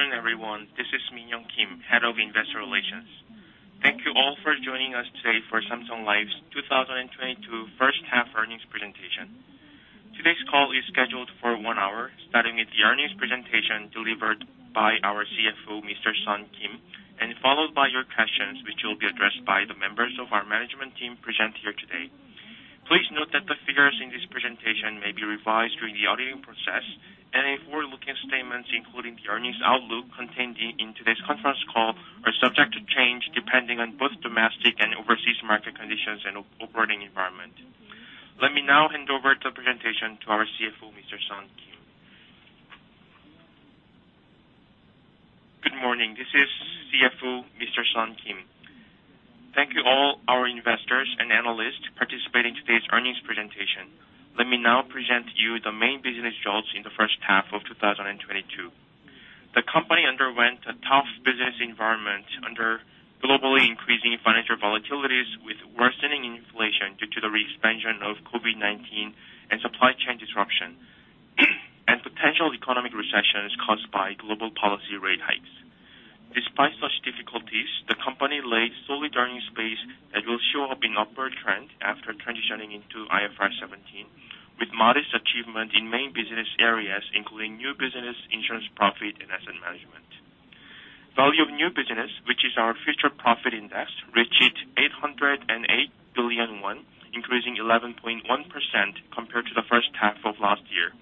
Good afternoon, everyone. This is Min Yong Kim, head of investor relations. Thank you all for joining us today for Samsung Life Insurance's 2022 first half earnings presentation. Today's call is scheduled for one hour, starting with the earnings presentation delivered by our CFO, Mr. Sun Kim, and followed by your questions, which will be addressed by the members of our management team present here today. Please note that the figures in this presentation may be revised during the auditing process, and any forward-looking statements, including the earnings outlook contained in today's conference call, are subject to change depending on both domestic and overseas market conditions and overall environment. Let me now hand over the presentation to our CFO, Mr. Sun Kim. Good morning. This is the CFO, Mr. Sun Kim. Thank you to all our investors and analysts participating in today's earnings presentation. Let me now present you the main business results in the first half of 2022. The company underwent a tough business environment under globally increasing financial volatilities with worsening inflation due to the re-expansion of COVID-19 and supply chain disruption, and potential economic recessions caused by global policy rate hikes. Despite such difficulties, the company laid solid earnings base that will show up in upward trend after transitioning into IFRS 17, with modest achievement in main business areas, including new business, insurance, profit and asset management. Value of new business, which is our future profit index, reached 808 billion won, increasing 11.1% compared to the first half of last year,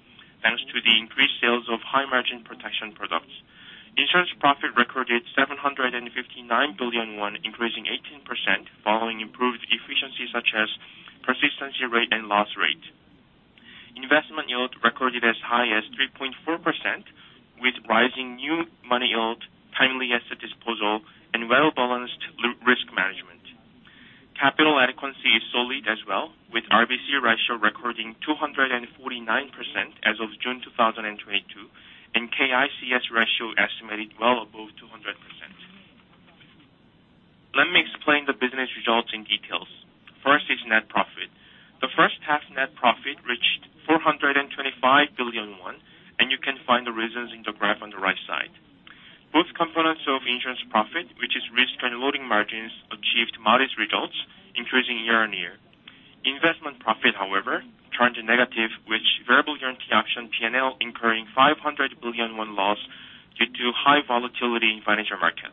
thanks to the increased sales of high-margin protection products. Insurance profit recorded 759 billion won, increasing 18%, following improved efficiency such as persistency rate and loss rate. Investment yield recorded as high as 3.4%, with rising new money yield, timely asset disposal, and well-balanced low-risk management. Capital adequacy is solid as well, with RBC ratio recording 249% as of June 2022, and K-ICS ratio estimated well above 200%. Let me explain the business results in detail. First is net profit. The first half net profit reached 425 billion won, and you can find the reasons in the graph on the right side. Both components of insurance profit, which is risk and loading margins, achieved modest results, increasing year-on-year. Investment profit, however, turned negative, with variable guarantee option P&L incurring 500 billion won loss due to high volatility in financial market.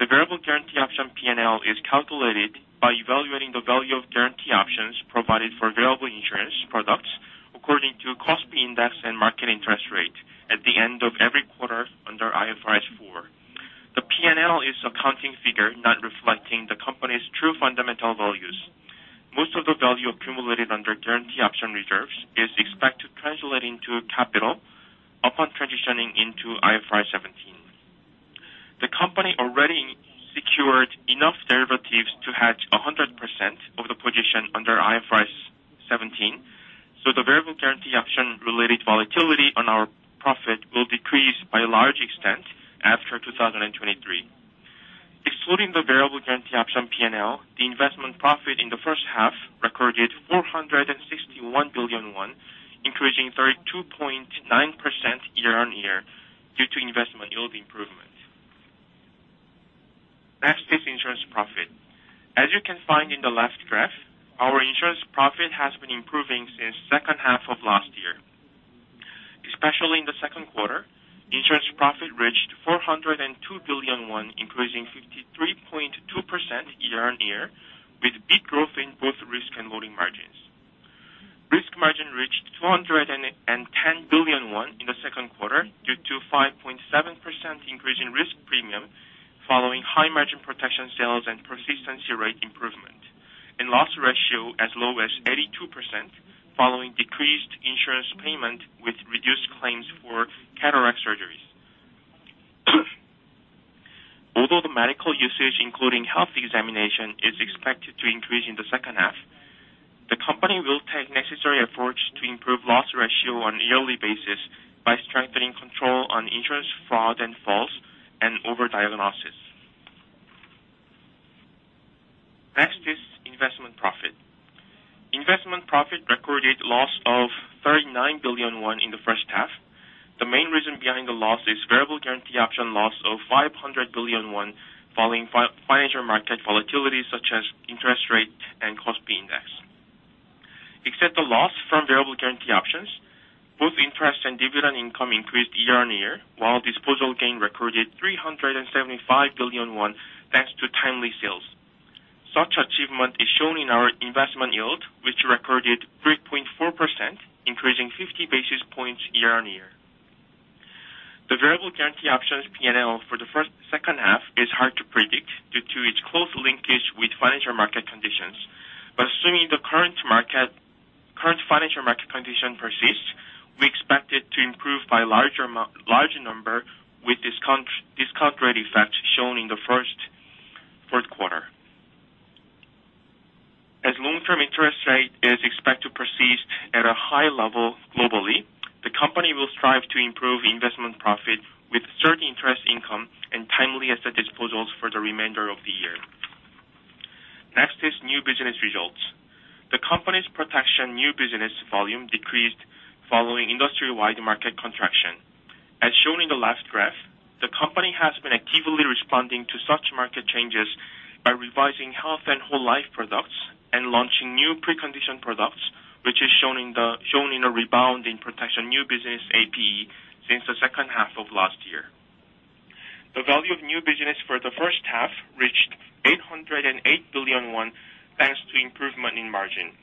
The variable guarantee option P&L is calculated by evaluating the value of guarantee options provided for variable insurance products according to cost index and market interest rate at the end of every quarter under IFRS 4. The P&L is accounting figure not reflecting the company's true fundamental values. Most of the value accumulated under guarantee option reserves is expected to translate into capital upon transitioning into IFRS 17. The company already secured enough derivatives to hedge 100% of the position under IFRS 17, so the variable guarantee option-related volatility on our profit will decrease by a large extent after 2023. Excluding the variable guarantee option P&L, the investment profit in the first half recorded 461 billion won, increasing 32.9% year-on-year due to investment yield improvement. Next is insurance profit. As you can find in the left graph, our insurance profit has been improving since second half of last year. Especially in the second quarter, insurance profit reached 402 billion won, increasing 53.2% year-on-year, with big growth in both risk and loading margins. Risk margin reached 210 billion won in the second quarter due to 5.7% increase in risk premium following high margin protection sales and persistency rate improvement, and loss ratio as low as 82% following decreased insurance payment with reduced claims for cataract surgeries. Although the medical usage, including health examination, is expected to increase in the second half, the company will take necessary efforts to improve loss ratio on a yearly basis by strengthening control on insurance fraud and false and over-diagnosis. Next is investment profit. Investment profit recorded loss of 39 billion won in the first half. The main reason behind the loss is variable guarantee option loss of 500 billion won following financial market volatility, such as interest rate and stock index. Except the loss from variable guarantee options, both interest and dividend income increased year-on-year, while disposal gain recorded 375 billion won, thanks to timely sales. Such achievement is shown in our investment yield, which recorded 3.4%, increasing 50 basis points year-on-year. The variable guarantee options P&L for the second half is hard to predict due to its close linkage with financial market conditions. Assuming the current financial market condition persists, we expect it to improve by a larger number with discount rate effect shown in the fourth quarter. As long-term interest rate is expected to persist at a high level globally, the company will strive to improve investment profit with certain interest. New business results. The company's protection new business volume decreased following industry-wide market contraction. As shown in the last graph, the company has been actively responding to such market changes by revising health and whole life products and launching new pre-condition products, which is shown in a rebound in protection new business APE since the second half of last year. The value of new business for the first half reached 808 billion won, thanks to improvement in margin.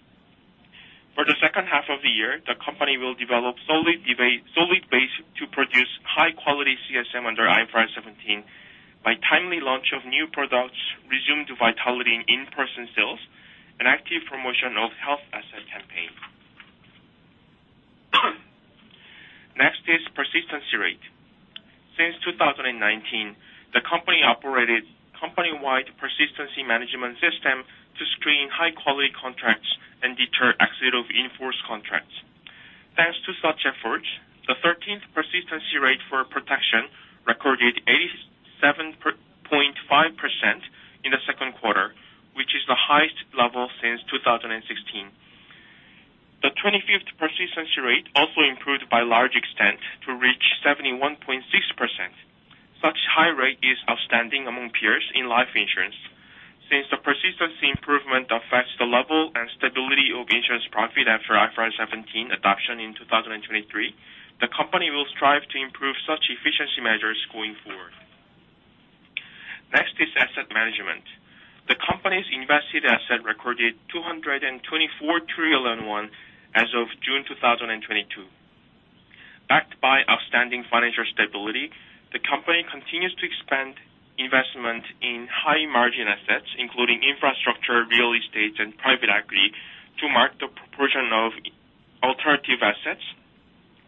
For the second half of the year, the company will develop solid base to produce high quality CSM under IFRS 17 by timely launch of new products, resume to vitality in in-person sales, an active promotion of health asset campaign. Next is persistency rate. Since 2019, the company operated company-wide persistency management system to screen high quality contracts and deter exit of in-force contracts. Thanks to such efforts, the 13th persistency rate for protection recorded 87.5% in the second quarter, which is the highest level since 2016. The 25th persistency rate also improved by large extent to reach 71.6%. Such high rate is outstanding among peers in life insurance. Since the persistency improvement affects the level and stability of insurance profit after IFRS 17 adoption in 2023, the company will strive to improve such efficiency measures going forward. Next is asset management. The company's invested asset recorded 224 trillion won as of June 2022. Backed by outstanding financial stability, the company continues to expand investment in high margin assets, including infrastructure, real estate, and private equity, to mark the proportion of alternative assets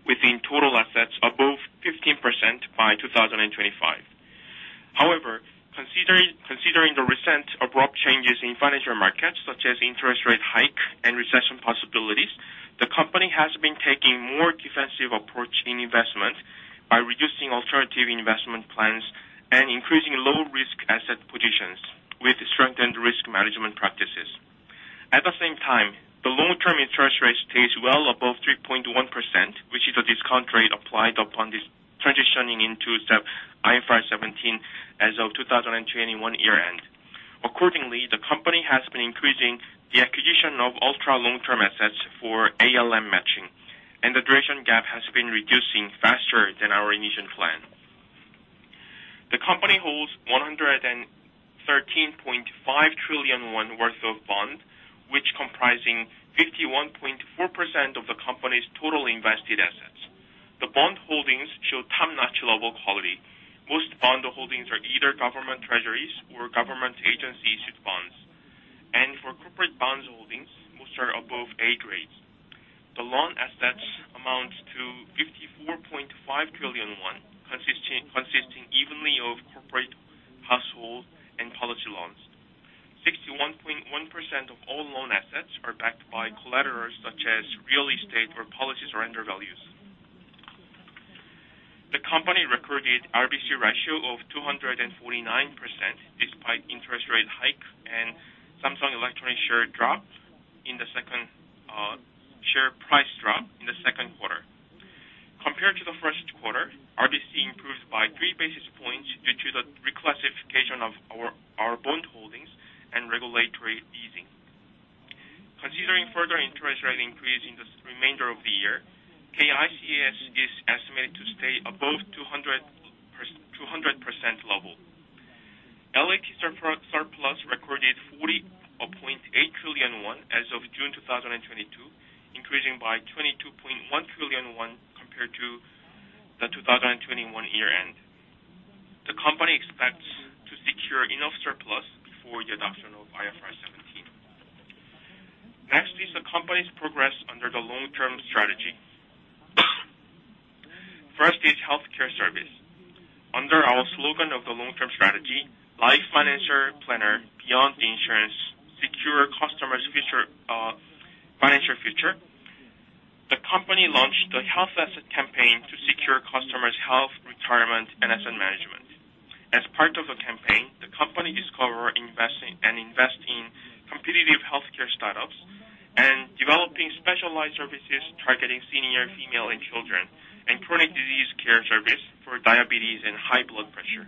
within total assets above 15% by 2025. However, considering the recent abrupt changes in financial markets, such as interest rate hike and recession possibilities, the company has been taking more defensive approach in investment by reducing alternative investment plans and increasing low risk asset positions with strengthened risk management practices. At the same time, the long-term interest rate stays well above 3.1%, which is a discount rate applied upon this transitioning into the IFRS 17 as of 2021 year end. Accordingly, the company has been increasing the acquisition of ultra long-term assets for ALM matching, and the duration gap has been reducing faster than our initial plan. The company holds 113.5 trillion won worth of bond, which comprising 51.4% of the company's total invested assets. The bond holdings show top-notch level quality. Most bond holdings are either government treasuries or government agency issued bonds. For corporate bonds holdings, most are above A grades. The loan assets amount to 54.5 trillion won, consisting evenly of corporate, household, and policy loans. 61.1% of all loan assets are backed by collaterals such as real estate or policy surrender values. The company recorded RBC ratio of 249% despite interest rate hike and Samsung Electronics share price drop in the second quarter. Compared to the first quarter, RBC improved by three basis points due to the reclassification of our bond holdings and regulatory easing. Considering further interest rate increase in the remainder of the year, K-ICS is estimated to stay above 200% level. LAT surplus recorded 40.8 trillion won as of June 2022, increasing by 22.1 trillion won compared to the 2021 year end. The company expects to secure enough surplus for the adoption of IFRS 17. Next is the company's progress under the long-term strategy. First is healthcare service. Under our slogan of the long-term strategy, life financial planner beyond insurance, secure customers' future, financial future, the company launched the health asset campaign to secure customers' health, retirement, and asset management. As part of the campaign, the company discovers and invests in competitive healthcare startups and develops specialized services targeting seniors, females, and children and chronic disease care service for diabetes and high blood pressure.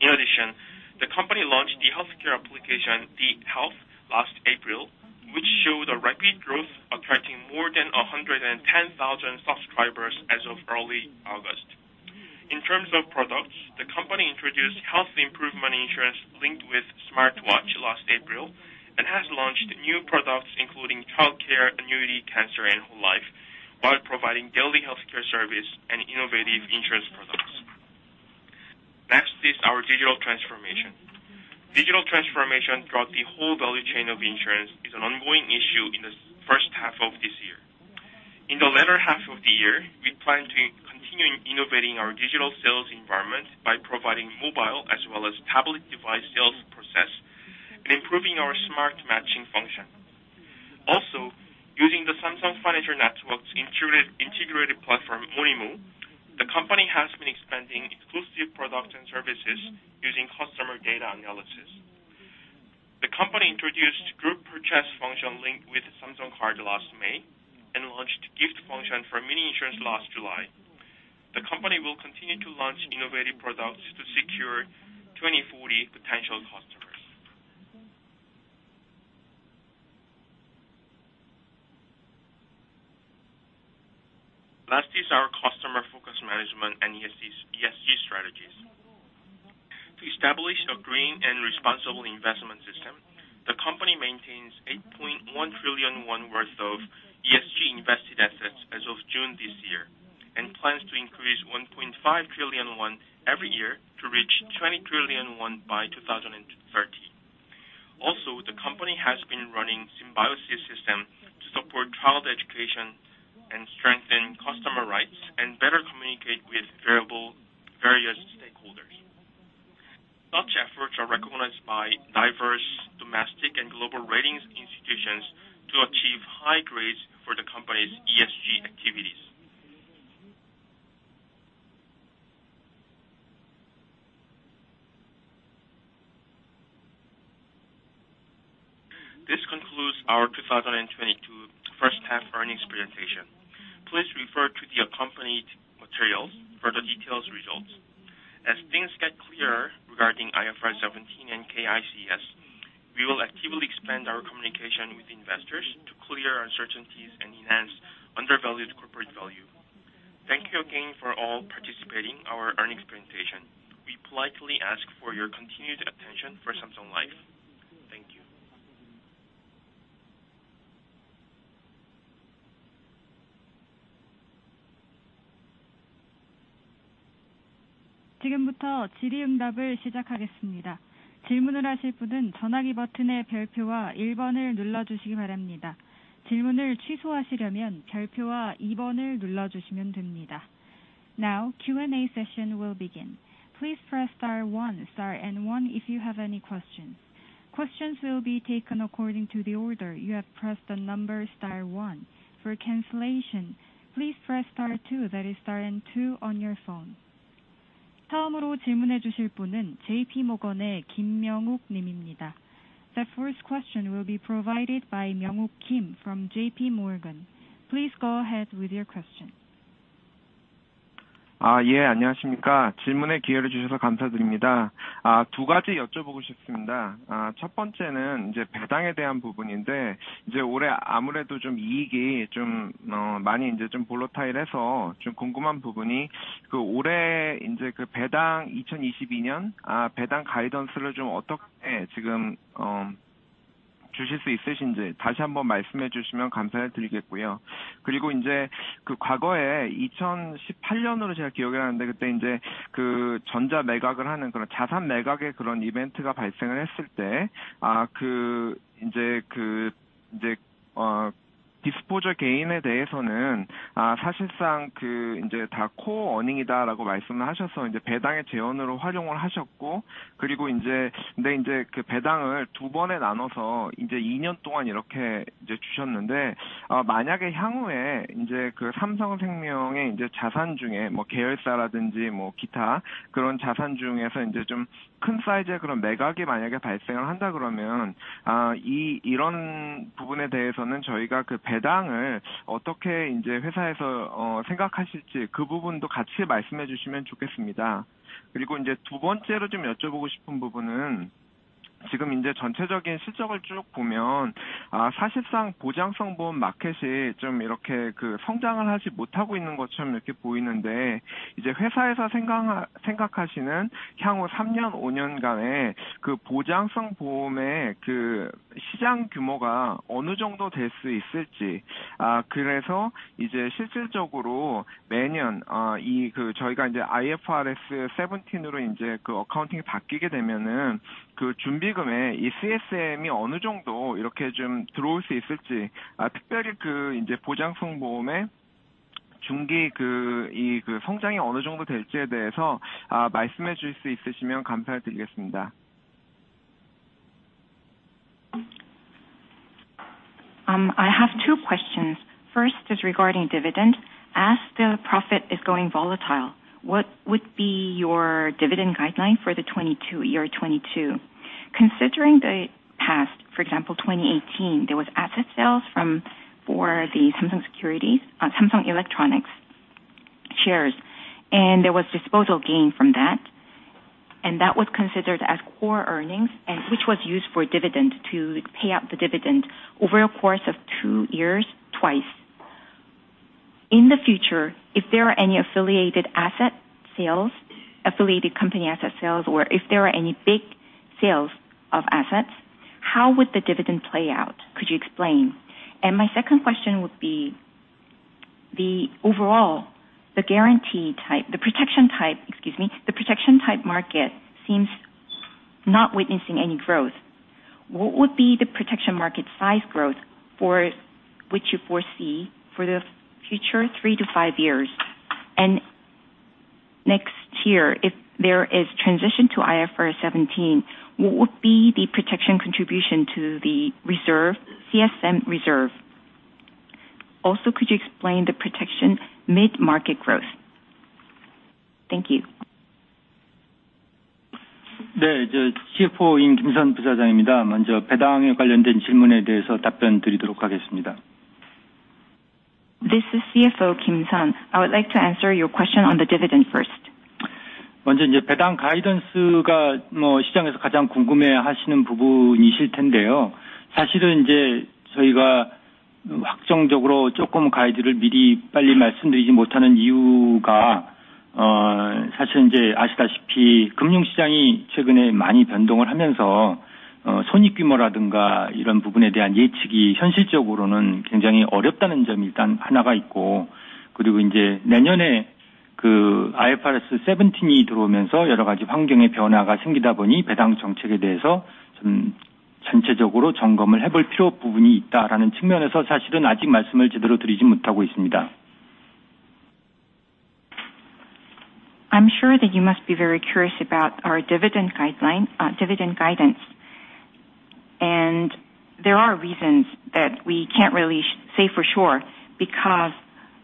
In addition, the company launched the healthcare application, The Health, last April, which showed a rapid growth, attracting more than 110,000 subscribers as of early August. In terms of products, the company introduced health improvement insurance linked with smartwatch last April and has launched new products including childcare, annuity, cancer, and whole life, while providing daily healthcare service and innovative insurance products. Next is our digital transformation. Digital transformation throughout the whole value chain of insurance is an ongoing issue in the first half of this year. In the latter half of the year, we plan to continue innovating our digital sales environment by providing mobile as well as tablet device sales process and improving our smart matching system using customer data analysis. The company introduced group purchase function linked with Samsung Card last May and launched gift function for mini insurance last July. The company will continue to launch innovative products to secure 2,040 potential customers. Last is our customer focus management and ESG strategies. To establish a green and responsible investment system, the company maintains 8.1 trillion won worth of ESG invested assets as of June this year, and plans to increase 1.5 trillion won every year to reach 20 trillion won by 2030. Also, the company has been running symbiosis system to support child education and strengthen customer rights, and better communicate with various stakeholders. Such efforts are recognized by diverse domestic and global ratings institutions to achieve high grades for the company's ESG activities. This concludes our 2022 first half earnings presentation. Please refer to the accompanied materials for the detailed results. As things get clearer regarding IFRS 17 and K-ICS, we will actively expand our communication with investors to clear uncertainties and enhance undervalued corporate value. Thank you again for all participating in our earnings presentation. We politely ask for your continued attention to Samsung Life. Thank you. Now, Q&A session will begin. Please press star one, star and one if you have any questions. Questions will be taken according to the order you have pressed the number star one. For cancellation, please press star two, that is star and two on your phone. The first question will be provided by MW Kim from J.P. Morgan. Please go ahead with your question. I have two questions. First is regarding dividend. As the profit is going volatile, what would be your dividend guideline for 2022? Considering the past, for example, 2018, there was asset sales from Samsung Securities, Samsung Electronics shares, and there was disposal gain from that, and that was considered as core earnings and which was used for dividend to pay out the dividend over a course of two years twice. In the future, if there are any affiliated company asset sales, or if there are any big sales of assets, how would the dividend play out? Could you explain? My second question would be the overall protection type market seems not witnessing any growth. What would be the protection market size growth for which you foresee for the future three-five years? Next year, if there is transition to IFRS 17, what would be the protection contribution to the reserve, CSM reserve? Also, could you explain the protection mid-market growth? Thank you. 네, 이제 CFO인 김선 부사장입니다. 먼저 배당에 관련된 질문에 대해서 답변드리도록 하겠습니다. This is CFO Sun Kim. I would like to answer your question on the dividend first. 먼저 배당 가이던스가 시장에서 가장 궁금해 하시는 부분이실 텐데요. 사실은 저희가 확정적으로 조금 가이드를 미리 빨리 말씀드리지 못하는 이유가, 사실은 아시다시피 금융시장이 최근에 많이 변동을 하면서 손익 규모라든가 이런 부분에 대한 예측이 현실적으로는 굉장히 어렵다는 점 일단 하나가 있고, 그리고 내년에 IFRS 17이 들어오면서 여러 가지 환경의 변화가 생기다 보니 배당 정책에 대해서 좀 전체적으로 점검을 해볼 필요 부분이 있다라는 측면에서 사실은 아직 말씀을 제대로 드리지 못하고 있습니다. I'm sure that you must be very curious about our dividend guideline, dividend guidance. There are reasons that we can't really say for sure because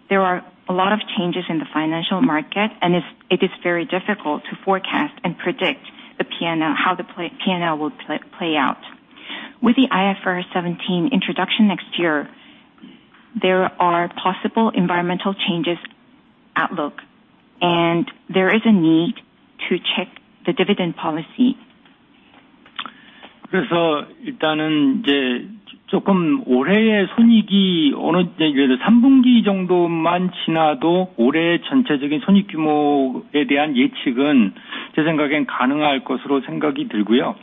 there are a lot of changes in the financial market, and it is very difficult to forecast and predict the P&L, how the P&L will play out. With the IFRS 17 introduction next year, there are possible environmental changes outlook, and there is a need to check the dividend policy. 일단 올해의 손익이 예를 들어 3분기 정도만 지나도 올해 전체적인 손익 규모에 대한 예측은 가능할 것으로 생각이 들고요.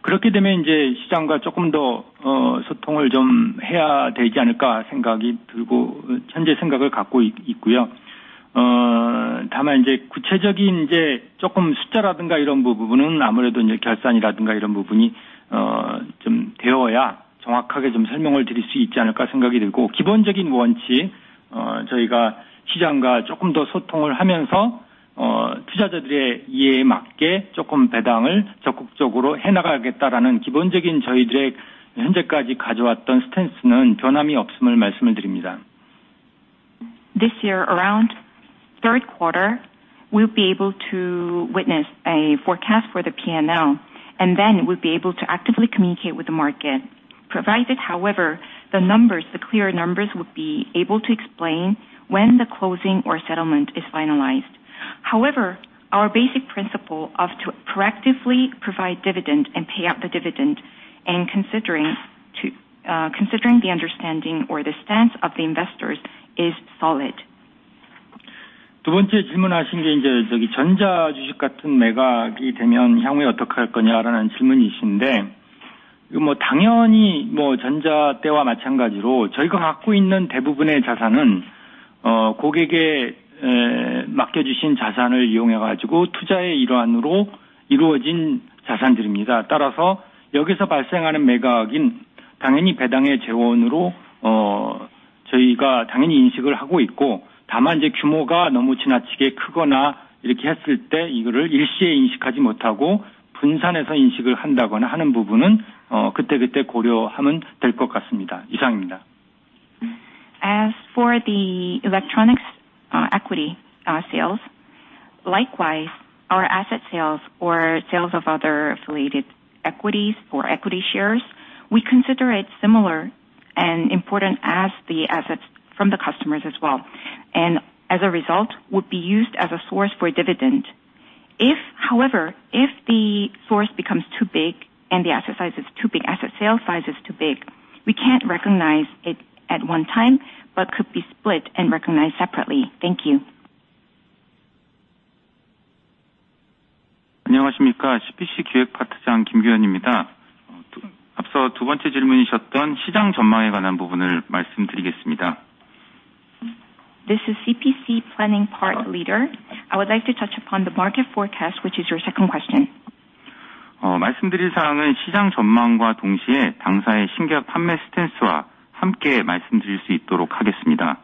그렇게 되면 시장과 조금 더 소통을 좀 해야 되지 않을까 생각이 들고, 현재 생각을 갖고 있고요. 다만 구체적인 숫자라든가 이런 부분은 아무래도 결산이라든가 이런 부분이 좀 되어야 정확하게 좀 설명을 드릴 수 있지 않을까 생각이 들고, 기본적인 원칙, 저희가 시장과 조금 더 소통을 하면서 투자자들의 이해에 맞게 조금 배당을 적극적으로 해나가겠다라는 기본적인 저희들의 현재까지 가져왔던 스탠스는 변함이 없음을 말씀을 드립니다. This year, around third quarter, we'll be able to witness a forecast for the P&L, and then we'll be able to actively communicate with the market. Provided however, the numbers, the clear numbers would be able to explain when the closing or settlement is finalized. However, our basic principle is to proactively provide dividend and pay out the dividend and considering the understanding or the stance of the investors is solid. 두 번째 질문하신 게 전자 주식 같은 매각이 되면 향후에 어떻게 할 거냐라는 질문이신데, 이거 당연히 전자 때와 마찬가지로 저희가 갖고 있는 대부분의 자산은 고객의 맡겨주신 자산을 이용해 가지고 투자의 일환으로 이루어진 자산들입니다. 따라서 여기서 발생하는 매각은 당연히 배당의 재원으로 저희가 당연히 인식을 하고 있고, 다만 규모가 너무 지나치게 크거나 이렇게 했을 때 이거를 일시에 인식하지 못하고 분산해서 인식을 한다거나 하는 부분은 그때그때 고려하면 될것 같습니다. 이상입니다. As for the electronics equity sales, likewise, our asset sales or sales of other affiliated equities or equity shares, we consider it similar and important as the assets from the customers as well. As a result would be used as a source for dividend. However, if the source becomes too big and the asset sale size is too big, we can't recognize it at one time, but could be split and recognized separately. Thank you. 안녕하십니까? CPC 기획파트장 김규연입니다. 앞서 두 번째 질문이셨던 시장 전망에 관한 부분을 말씀드리겠습니다. This is CPC planning part leader. I would like to touch upon the market forecast, which is your second question. 말씀드릴 사항은 시장 전망과 동시에 당사의 신규 판매 스탠스와 함께 말씀드릴 수 있도록 하겠습니다.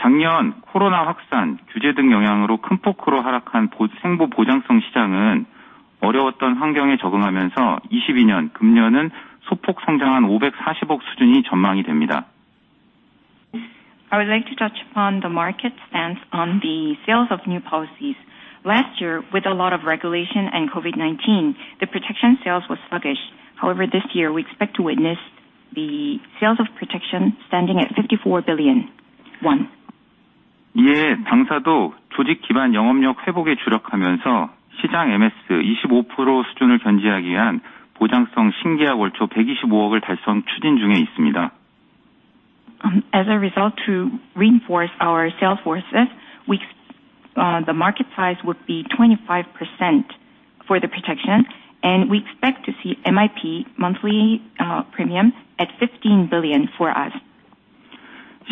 작년 COVID-19 확산, 규제 등 영향으로 큰 폭으로 하락한 생보 보장성 시장은 어려웠던 환경에 적응하면서 2022년, 금년은 소폭 성장한 540억 수준이 전망이 됩니다. I would like to touch upon the market stance on the sales of new policies. Last year with a lot of regulation and COVID-19, the protection sales was sluggish. However, this year we expect to witness the sales of protection standing at 54 billion. 이에 당사도 조직 기반 영업력 회복에 주력하면서 시장 MS 25% 수준을 견제하기 위한 보장성 신계약 월초 125억을 달성 추진 중에 있습니다. As a result, to reinforce our sales forces, we, the market size would be 25% for the protection, and we expect to see MIP monthly premium at KRW 15 billion for us.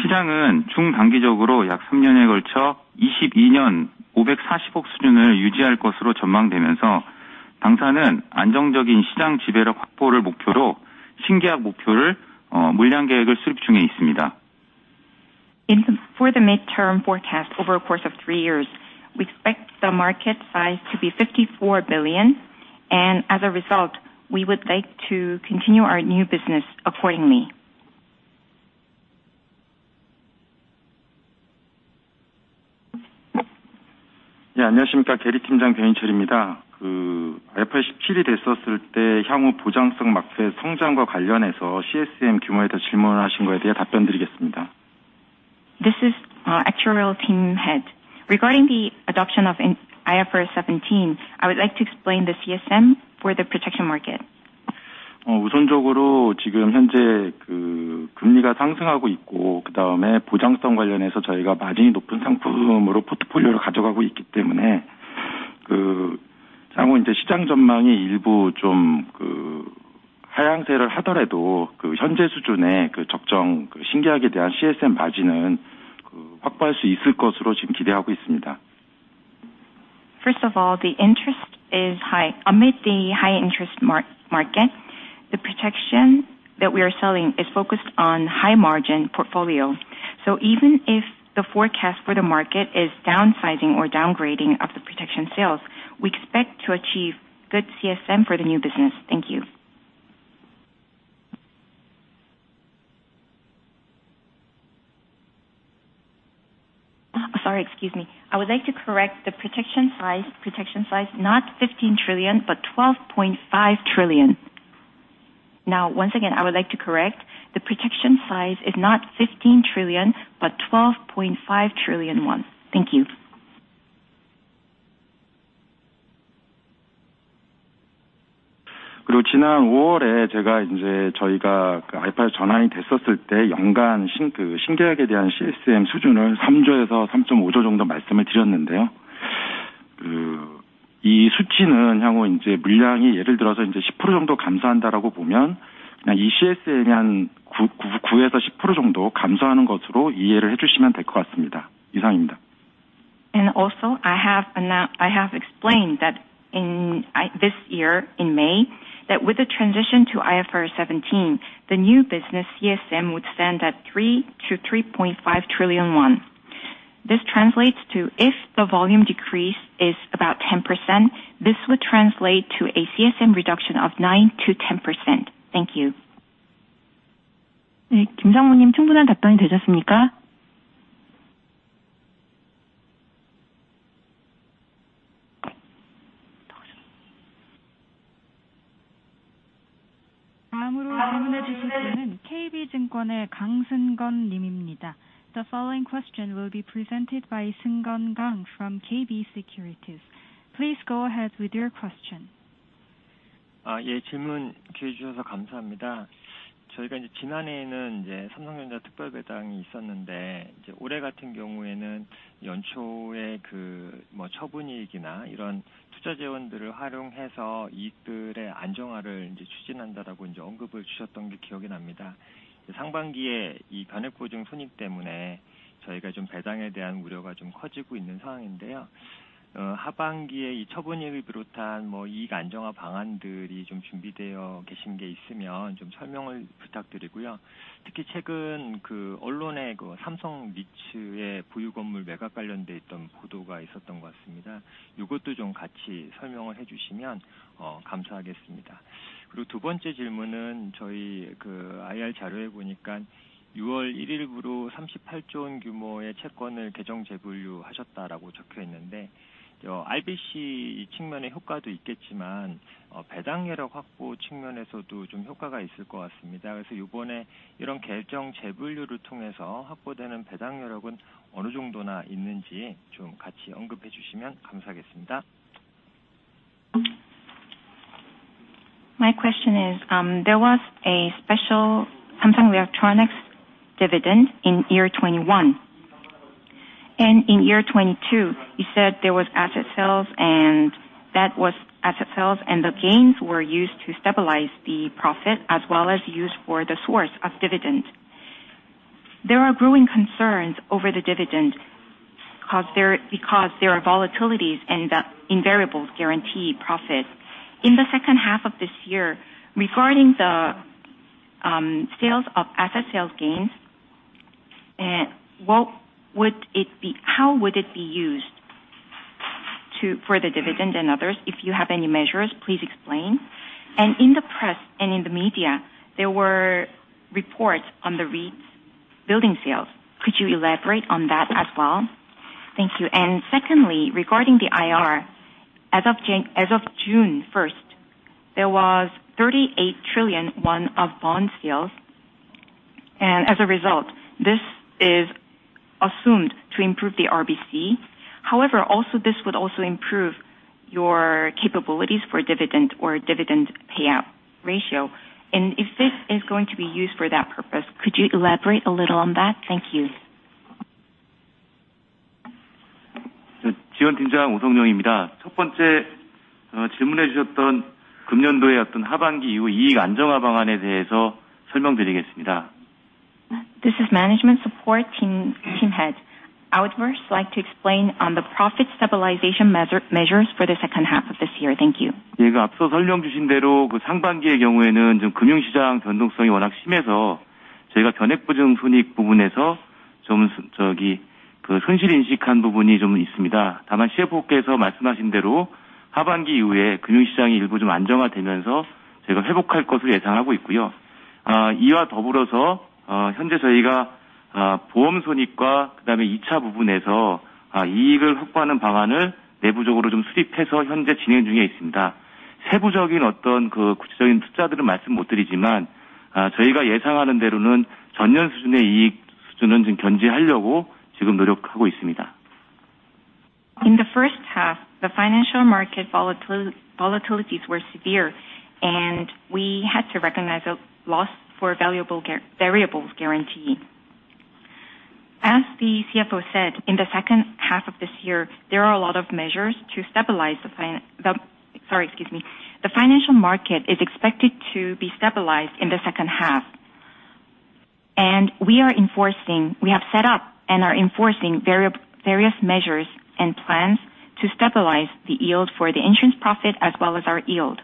시장은 중단기적으로 약 3년에 걸쳐 2022년 5,400억 수준을 유지할 것으로 전망되면서 당사는 안정적인 시장 지배력 확보를 목표로 신계약 목표를 물량 계획을 수립 중에 있습니다. For the midterm forecast over a course of three years, we expect the market size to be 54 billion, and as a result, we would like to continue our new business accordingly. Yeah. This is actuarial team head. Regarding the adoption of IFRS 17, I would like to explain the CSM for the protection market. First of all, the interest is high. Amid the high interest market, the protection that we are selling is focused on high margin portfolio. Even if the forecast for the market is downsizing or downgrading of the protection sales, we expect to achieve good CSM for the new business. Thank you. Sorry. Excuse me. I would like to correct the protection size, not 15 trillion, but 12.5 trillion. Now, once again, I would like to correct the protection size is not 15 trillion, but 12.5 trillion won. Thank you. Also I have explained that in this year, in May, that with the transition to IFRS 17, the new business CSM would stand at KRW 3-3.5 trillion. This translates to if the volume decrease is about 10%, this would translate to a CSM reduction of 9%-10%. Thank you. The following question will be presented by Seung-Gun Kang from KB Securities. Please go ahead with your question. Yeah. My question is, there was a special Samsung Electronics dividend in 2021. In 2022 you said there was asset sales and the gains were used to stabilize the profit as well as used for the source of dividend. There are growing concerns over the dividend because there are volatilities in the invariables guarantee profit. In the second half of this year, regarding the sales of asset sales gains, what would it be? How would it be used to, for the dividend and others? If you have any measures, please explain. In the press and in the media, there were reports on the REITs building sales. Could you elaborate on that as well? Thank you. Secondly, regarding the IR, as of June first, there was 38 trillion won of bond sales and as a result, this is assumed to improve the RBC. However, this would also improve your capabilities for dividend payout ratio. If this is going to be used for that purpose, could you elaborate a little on that? Thank you. This is management support team head. I would first like to explain on the profit stabilization measures for the second half of this year. Thank you. Yes. In the first half, the financial market volatilities were severe, and we had to recognize a loss for variable guarantees. As the CFO said, in the second half of this year, there are a lot of measures to stabilize the financials. Sorry, excuse me. The financial market is expected to be stabilized in the second half, and we have set up and are enforcing various measures and plans to stabilize the yield for the insurance profit as well as our yield.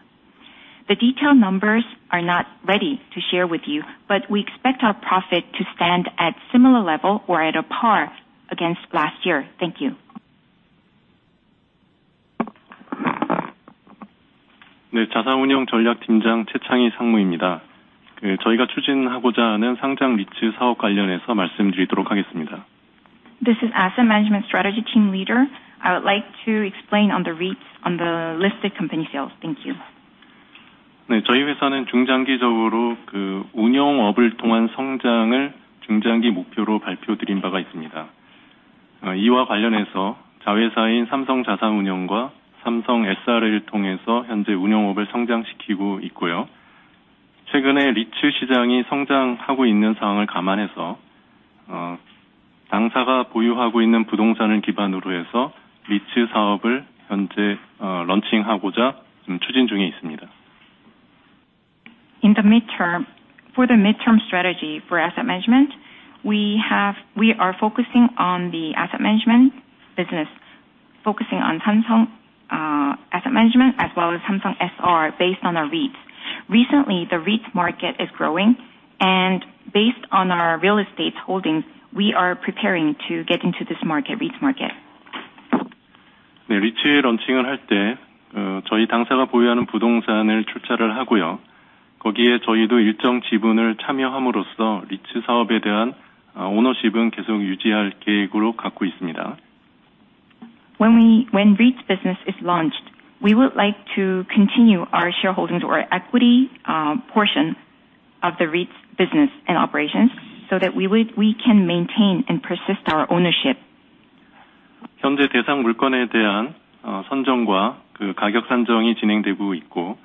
The detailed numbers are not ready to share with you, but we expect our profit to stand at similar level or at a par against last year. Thank you. This is asset management strategy team leader. I would like to explain on the REITs on the listed company sales. Thank you. In the midterm, for the midterm strategy for asset management, we are focusing on the asset management business, focusing on Samsung Asset Management as well as Samsung SRA based on our REITs. Recently, the REITs market is growing and based on our real estate holdings, we are preparing to get into this market, REITs market. When REITs business is launched, we would like to continue our shareholdings or equity portion of the REITs business and operations so that we can maintain and persist our ownership. Regarding the target buildings or target property as well as pricing,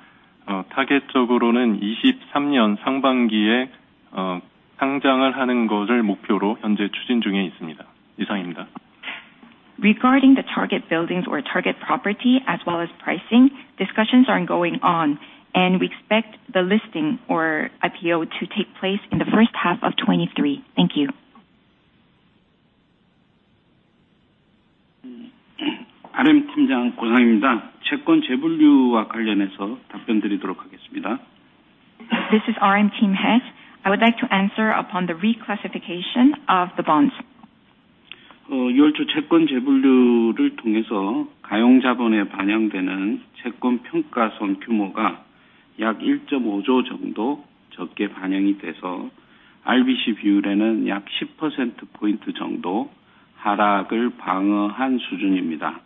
discussions are going on, and we expect the listing or IPO to take place in the first half of 2023. Thank you. This is RM team head. I would like to answer upon the reclassification of the bonds. In the beginning of June, with the bond reclassification, the available capital valuation loss was KRW 1.5 trillion, so which has defended the RBC drop by 10%.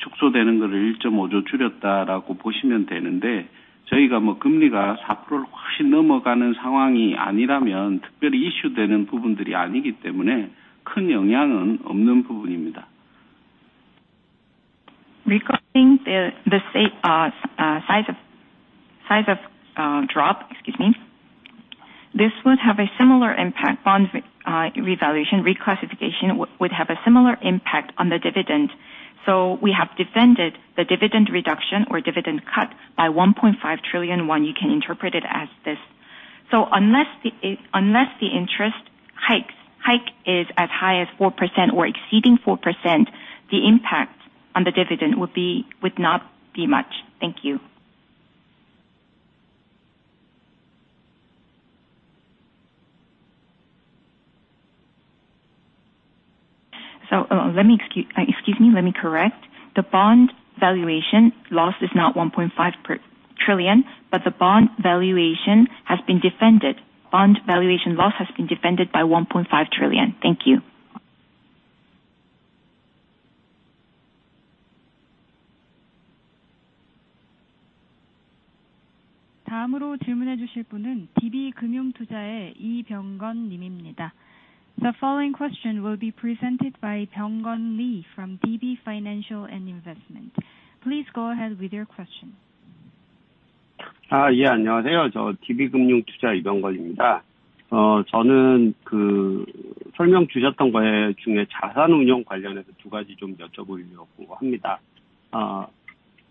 Regarding the size of drop, excuse me. This would have a similar impact on bond revaluation, reclassification would have a similar impact on the dividend. We have defended the dividend reduction or dividend cut by 1.5 trillion won. You can interpret it as this. Unless the interest hike is as high as 4% or exceeding 4%, the impact on the dividend would not be much. Thank you. Excuse me, let me correct. The bond valuation loss is not 1.5 trillion, but the bond valuation has been defended. Bond valuation loss has been defended by 1.5 trillion. Thank you. The following question will be presented by Byunggun Lee from DB Financial Investment. Please go ahead with your question. 안녕하세요. DB금융투자 이병건입니다. 설명 주셨던 것 중에 자산운용 관련해서 두 가지 좀 여쭤보려고 합니다.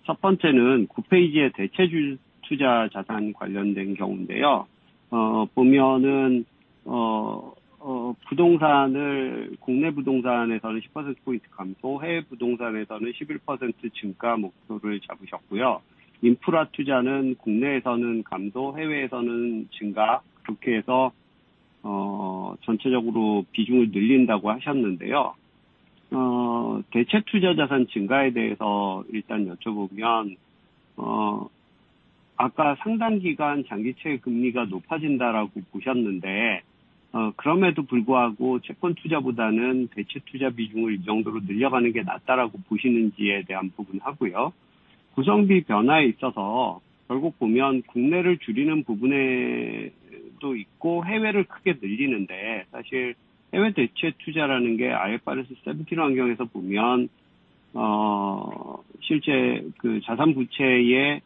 첫 번째는 9페이지에 대체투자 자산 관련된 경우인데요. 보면 부동산을 국내 부동산에서는 10%포인트 감소, 해외 부동산에서는 11% 증가 목표를 잡으셨고요. 인프라 투자는 국내에서는 감소, 해외에서는 증가, 그렇게 해서 전체적으로 비중을 늘린다고 하셨는데요. 대체투자 자산 증가에 대해서 여쭤보면, 아까 상당 기간 장기채 금리가 높아진다라고 보셨는데, 그럼에도 불구하고 채권투자보다는 대체투자 비중을 이 정도로 늘려가는 게 낫다라고 보시는지에 대한 부분하고요. 구성비 변화에 있어서 결국 보면 국내를 줄이는 부분도 있고 해외를 크게 늘리는데, 사실 해외 대체투자라는 게 IFRS 17 환경에서 보면 실제 자산 부채의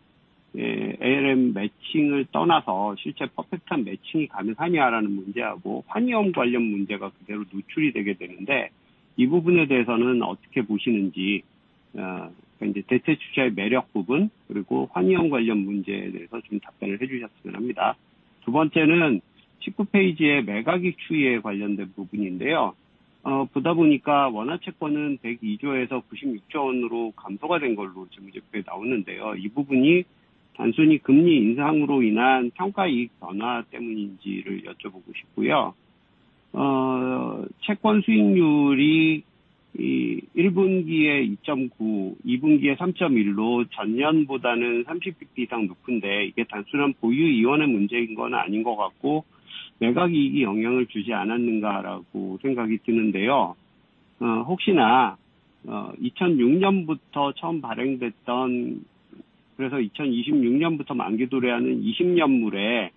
ALM 매칭을 떠나서 실제 퍼펙트한 매칭이 가능하냐라는 문제하고 환위험 관련 문제가 그대로 노출이 되게 되는데, 이 부분에 대해서는 어떻게 보시는지, 대체투자의 매력 부분 그리고 환위험 관련 문제에 대해서 답변을 해주셨으면 합니다. 두 번째는 19페이지에 매각이익 추이에 관련된 부분인데요. 원화 채권은 102조에서 96조 원으로 감소가 된 걸로 지금 나오는데요. 이 부분이 단순히 금리 인상으로 인한 평가이익 변화 때문인지를 여쭤보고 싶고요. 채권수익률이 1분기에 2.9%, 2분기에 3.1%로 전년보다는 30bp 이상 높은데 이게 단순한 보유 이원의 문제인 거는 아닌 것 같고, 매각이익이 영향을 주지 않았는가라고 생각이 드는데요. 혹시나 2006년부터 처음 발행됐던, 그래서 2026년부터 만기 도래하는 20년 물에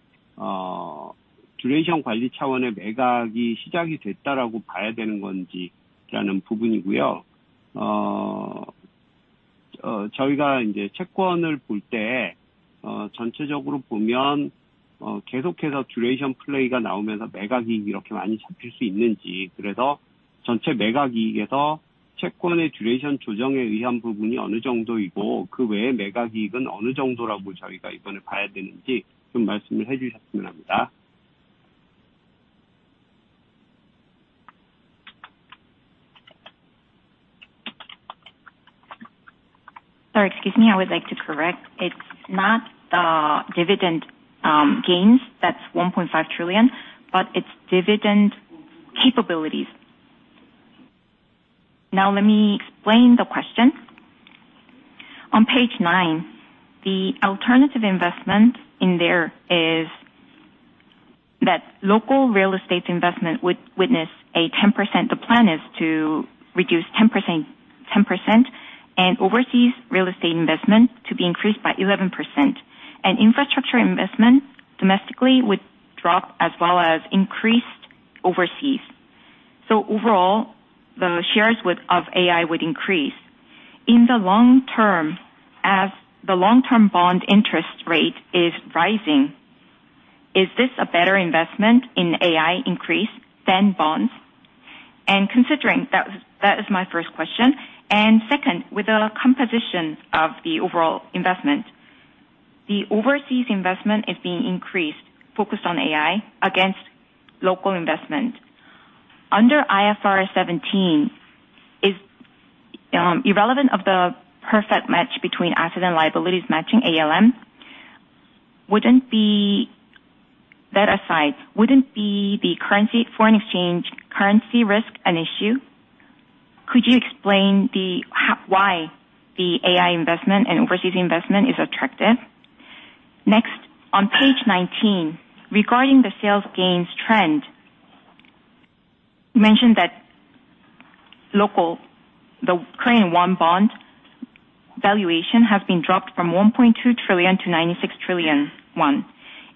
듀레이션 관리 차원의 매각이 시작이 됐다라고 봐야 되는 건지라는 부분이고요. 저희가 채권을 볼때 전체적으로 보면 계속해서 듀레이션 플레이가 나오면서 매각이익이 이렇게 많이 잡힐 수 있는지, 그래서 전체 매각이익에서 채권의 듀레이션 조정에 의한 부분이 어느 정도이고, 그 외의 매각이익은 어느 정도라고 저희가 이번에 봐야 되는지 좀 말씀을 해주셨으면 합니다. Sorry. Excuse me. I would like to correct. It's not the dividend, gains. That's 1.5 trillion, but it's dividend capabilities. Now let me explain the question. On page nine, the alternative investment in there is that local real estate investment would witness a 10%. The plan is to reduce 10%, 10% and overseas real estate investment to be increased by 11% and infrastructure investment domestically would drop as well as increased overseas. So overall the shares would of AI would increase. In the long term as the long-term bond interest rate is rising. Is this a better investment in AI increase than bonds? Considering that is my first question. Second, with the composition of the overall investment, the overseas investment is being increased focused on AI against local investment. Under IFRS 17, is irrelevant of the perfect match between asset and liabilities matching ALM? That aside, wouldn't be the currency, foreign exchange currency risk an issue? Could you explain why the AI investment and overseas investment is attractive? Next, on page 19, regarding the sales gains trend, you mentioned that local, the Korean Won bond valuation has been dropped from 1.2 trillion to 96 trillion.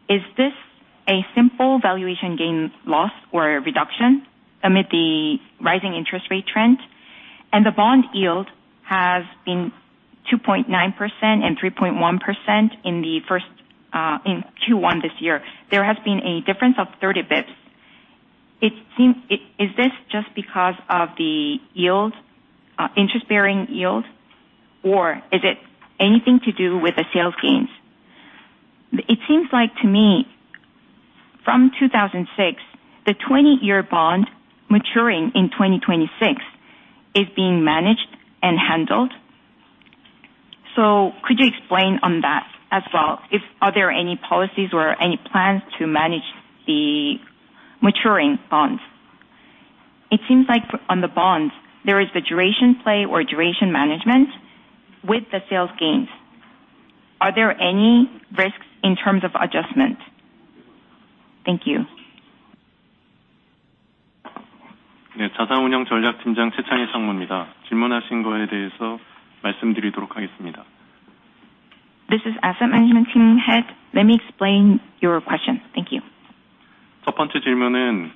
Is this a simple valuation gain loss or reduction amid the rising interest rate trend? The bond yield has been 2.9% and 3.1% in Q1 this year. There has been a difference of 30 basis points. Is this just because of the yield, interest bearing yield, or is it anything to do with the sales gains? It seems like to me from 2006, the 20-year bond maturing in 2026 is being managed and handled. Could you explain on that as well if are there any policies or any plans to manage the maturing bonds? It seems like on the bonds there is the duration play or duration management with the sales gains. Are there any risks in terms of adjustment? Thank you. 전략팀장 최창희 상무입니다. 질문하신 거에 대해서 말씀드리도록 하겠습니다. This is asset management team head. Let me explain your question. Thank you. 첫 번째 질문은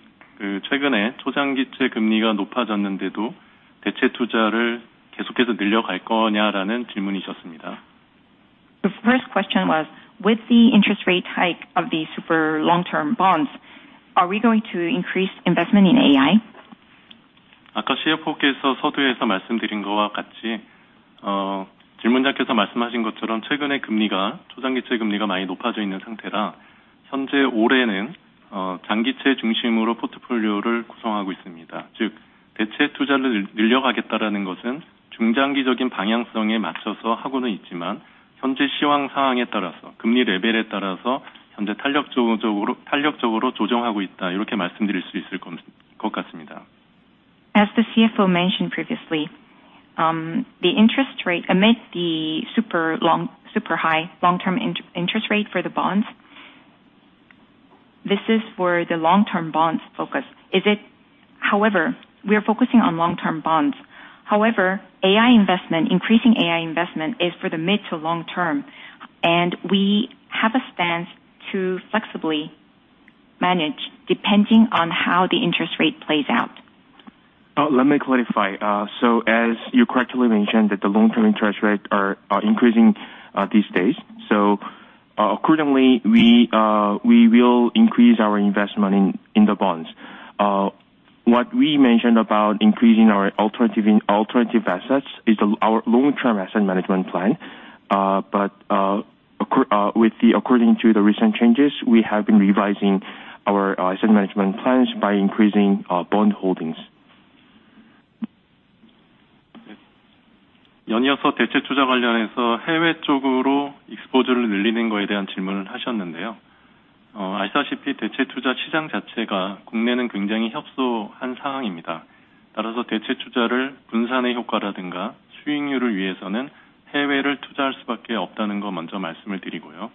최근에 초장기채 금리가 높아졌는데도 대체 투자를 계속해서 늘려갈 거냐라는 질문이셨습니다. The first question was, with the interest rate hike of the super long-term bonds, are we going to increase investment in AI? 아까 CFO께서 서두에서 말씀드린 것과 같이, 질문자께서 말씀하신 것처럼 최근에 초장기채 금리가 많이 높아져 있는 상태라 현재 올해는 장기채 중심으로 포트폴리오를 구성하고 있습니다. 즉, 대체 투자를 늘려가겠다라는 것은 중장기적인 방향성에 맞춰서 하고는 있지만 현재 시황 상황에 따라서 금리 레벨에 따라서 현재 탄력적으로 조정하고 있다 이렇게 말씀드릴 수 있을 것 같습니다. As the CFO mentioned previously, the interest rate amid the super long, super high long-term interest rate for the bonds. This is where the long-term bonds focus. Is it? However, we are focusing on long-term bonds. However, our investment, increasing our investment is for the mid- to long-term, and we have a stance to flexibly manage depending on how the interest rate plays out. Let me clarify. As you correctly mentioned that the long-term interest rates are increasing these days. Accordingly, we will increase our investment in the bonds. What we mentioned about increasing our alternative assets is our long-term asset management plan. According to the recent changes, we have been revising our asset management plans by increasing bond holdings. 연이어서 대체 투자 관련해서 해외 쪽으로 exposure를 늘리는 거에 대한 질문을 하셨는데요. 아시다시피 대체 투자 시장 자체가 국내는 굉장히 협소한 상황입니다. 따라서 대체 투자를 분산의 효과라든가 수익률을 위해서는 해외를 투자할 수밖에 없다는 거 먼저 말씀을 드리고요.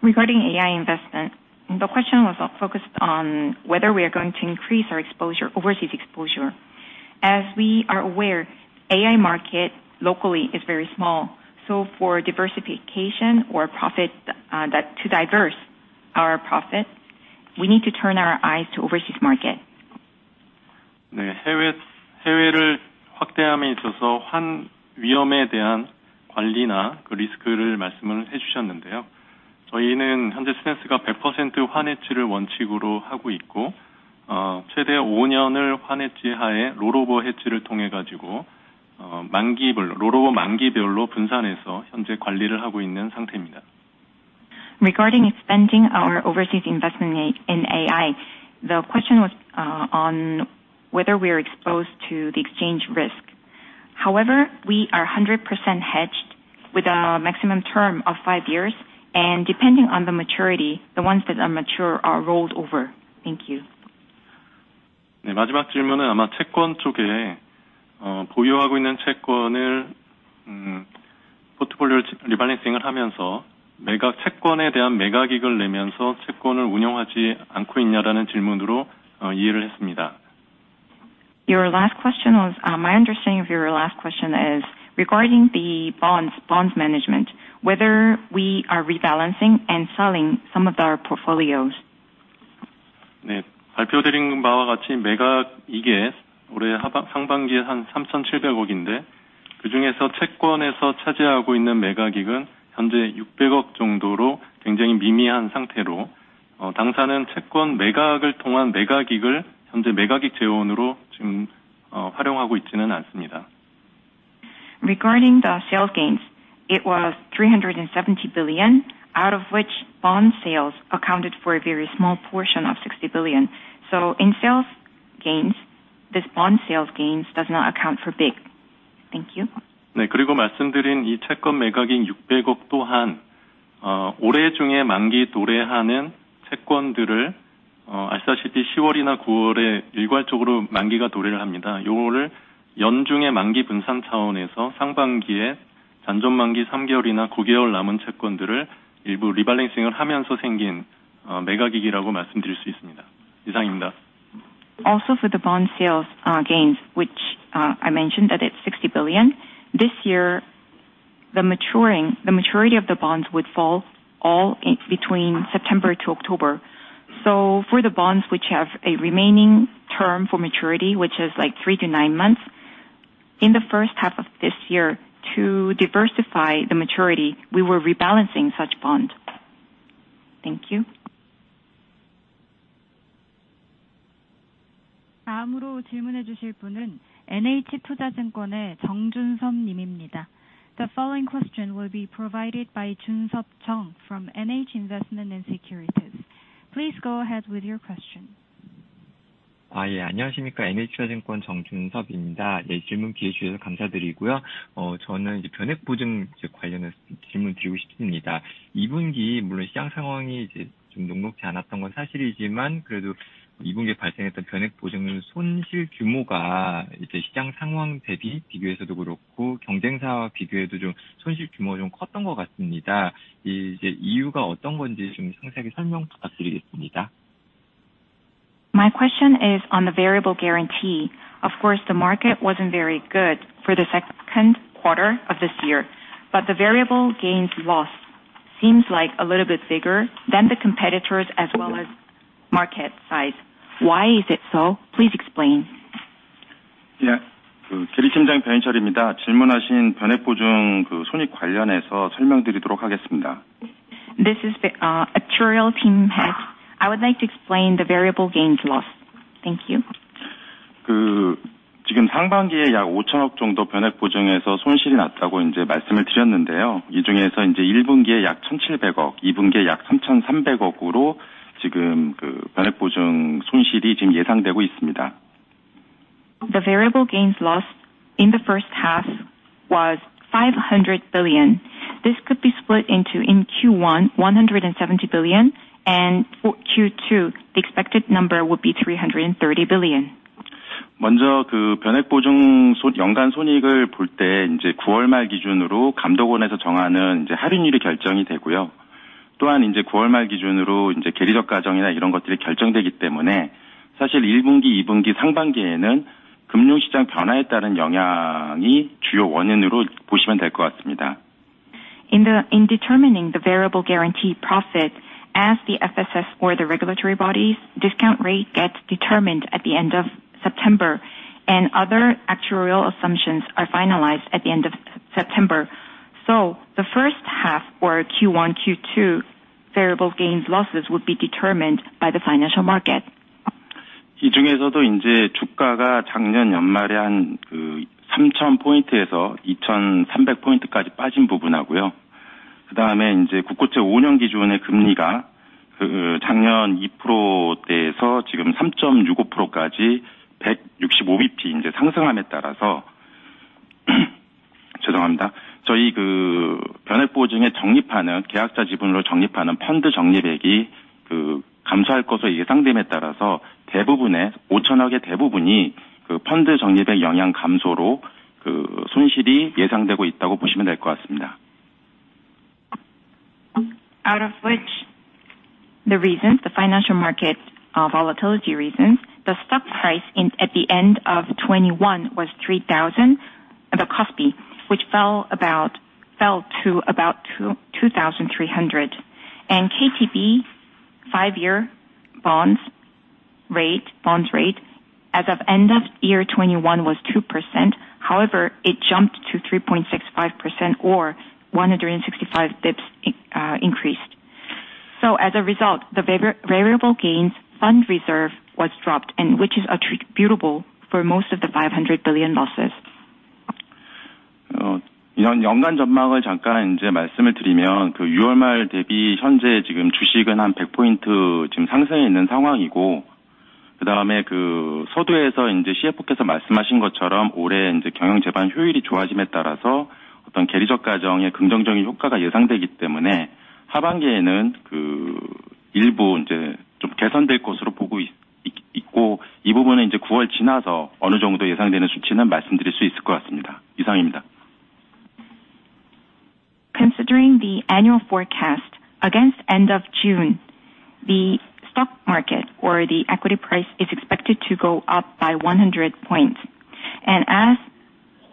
Regarding AI investment, the question was focused on whether we are going to increase our exposure, overseas exposure. As we are aware, AI market locally is very small. For diversification or profit, to diversify our profit, we need to turn our eyes to overseas market. 해외를 확대함에 있어서 환 위험에 대한 관리나 리스크를 말씀을 해주셨는데요. 저희는 현재 스탠스가 100% 환헤지를 원칙으로 하고 있고, 최대 5년을 환헤지 하에 roll over 헤지를 통해 가지고, 만기별 roll over 만기별로 분산해서 현재 관리를 하고 있는 상태입니다. Regarding expanding our overseas investment in AI. The question was on whether we are exposed to the exchange risk. However, we are 100% hedged with a maximum term of five years and depending on the maturity, the ones that are mature are rolled over. Thank you. 네, 마지막 질문은 아마 채권 쪽에 보유하고 있는 채권을 포트폴리오 리밸런싱을 하면서 매각 채권에 대한 매각익을 내면서 채권을 운영하지 않고 있냐라는 질문으로 이해를 했습니다. Your last question was, my understanding of your last question is regarding the bonds management, whether we are rebalancing and selling some of our portfolios. 발표드린 바와 같이 매각이익이 올해 상반기에 한 3,700억인데, 그중에서 채권에서 차지하고 있는 매각익은 현재 600억 정도로 굉장히 미미한 상태로, 당사는 채권 매각을 통한 매각익을 현재 매각익 재원으로 활용하고 있지는 않습니다. Regarding the sales gains, it was 370 billion, out of which bond sales accounted for a very small portion of 60 billion. In sales gains, this bond sales gains does not account for big. Thank you. 말씀드린 이 채권 매각인 600억 또한, 올해 중에 만기 도래하는 채권들을, 아시다시피 10월이나 9월에 일괄적으로 만기가 도래를 합니다. 이거를 연중의 만기 분산 차원에서 상반기에 잔존 만기 3개월이나 9개월 남은 채권들을 일부 리밸런싱을 하면서 생긴 매각익이라고 말씀드릴 수 있습니다. 이상입니다. Also for the bond sales gains, which I mentioned that it's 60 billion. This year the maturing, the maturity of the bonds would fall all in between September to October. For the bonds which have a remaining term for maturity, which is like three-nine months in the first half of this year to diversify the maturity we were rebalancing such bonds. Thank you. 다음으로 질문해 주실 분은 NH투자증권의 정준섭 님입니다. The following question will be provided by Jun-Sup Jung from NH Investment & Securities. Please go ahead with your question. 안녕하십니까? NH투자증권 정준섭입니다. 질문 기회 주셔서 감사드리고요. 저는 변액보험 관련해서 질문드리고 싶습니다. 이 분기 물론 시장 상황이 좀 녹록지 않았던 건 사실이지만, 그래도 이 분기에 발생했던 변액보험 손실 규모가 시장 상황 대비 비교해서도 그렇고, 경쟁사와 비교해도 좀 손실 규모가 좀 컸던 것 같습니다. 이유가 어떤 건지 좀 상세하게 설명 부탁드리겠습니다. My question is on the variable guarantee. Of course, the market wasn't very good for the second quarter of this year, but the variable gains loss seems like a little bit bigger than the competitors as well as market size. Why is it so? Please explain. Yeah. This is, actuarial team head. I would like to explain the variable gains loss. Thank you. The variable gains loss in the first half was 500 billion. This could be split into Q1 170 billion, and for Q2, the expected number would be KRW 330 billion. In determining the variable guarantee profit as the FSS or the regulatory bodies, discount rate gets determined at the end of September, and other actuarial assumptions are finalized at the end of September. The first half or Q1Q2 variable gains losses would be determined by the financial market. Out of which the reasons, the financial market volatility reasons, the stock price at the end of 2021 was 3,000, the KOSPI, which fell to about 2,300. KTB five-year bonds rate as of end of year 2021 was 2%, however, it jumped to 3.65% or 165 basis points increased. As a result, the variable gains fund reserve was dropped and which is attributable for most of the 500 billion losses. Considering the annual forecast against end of June, the stock market or the equity price is expected to go up by 100 points. As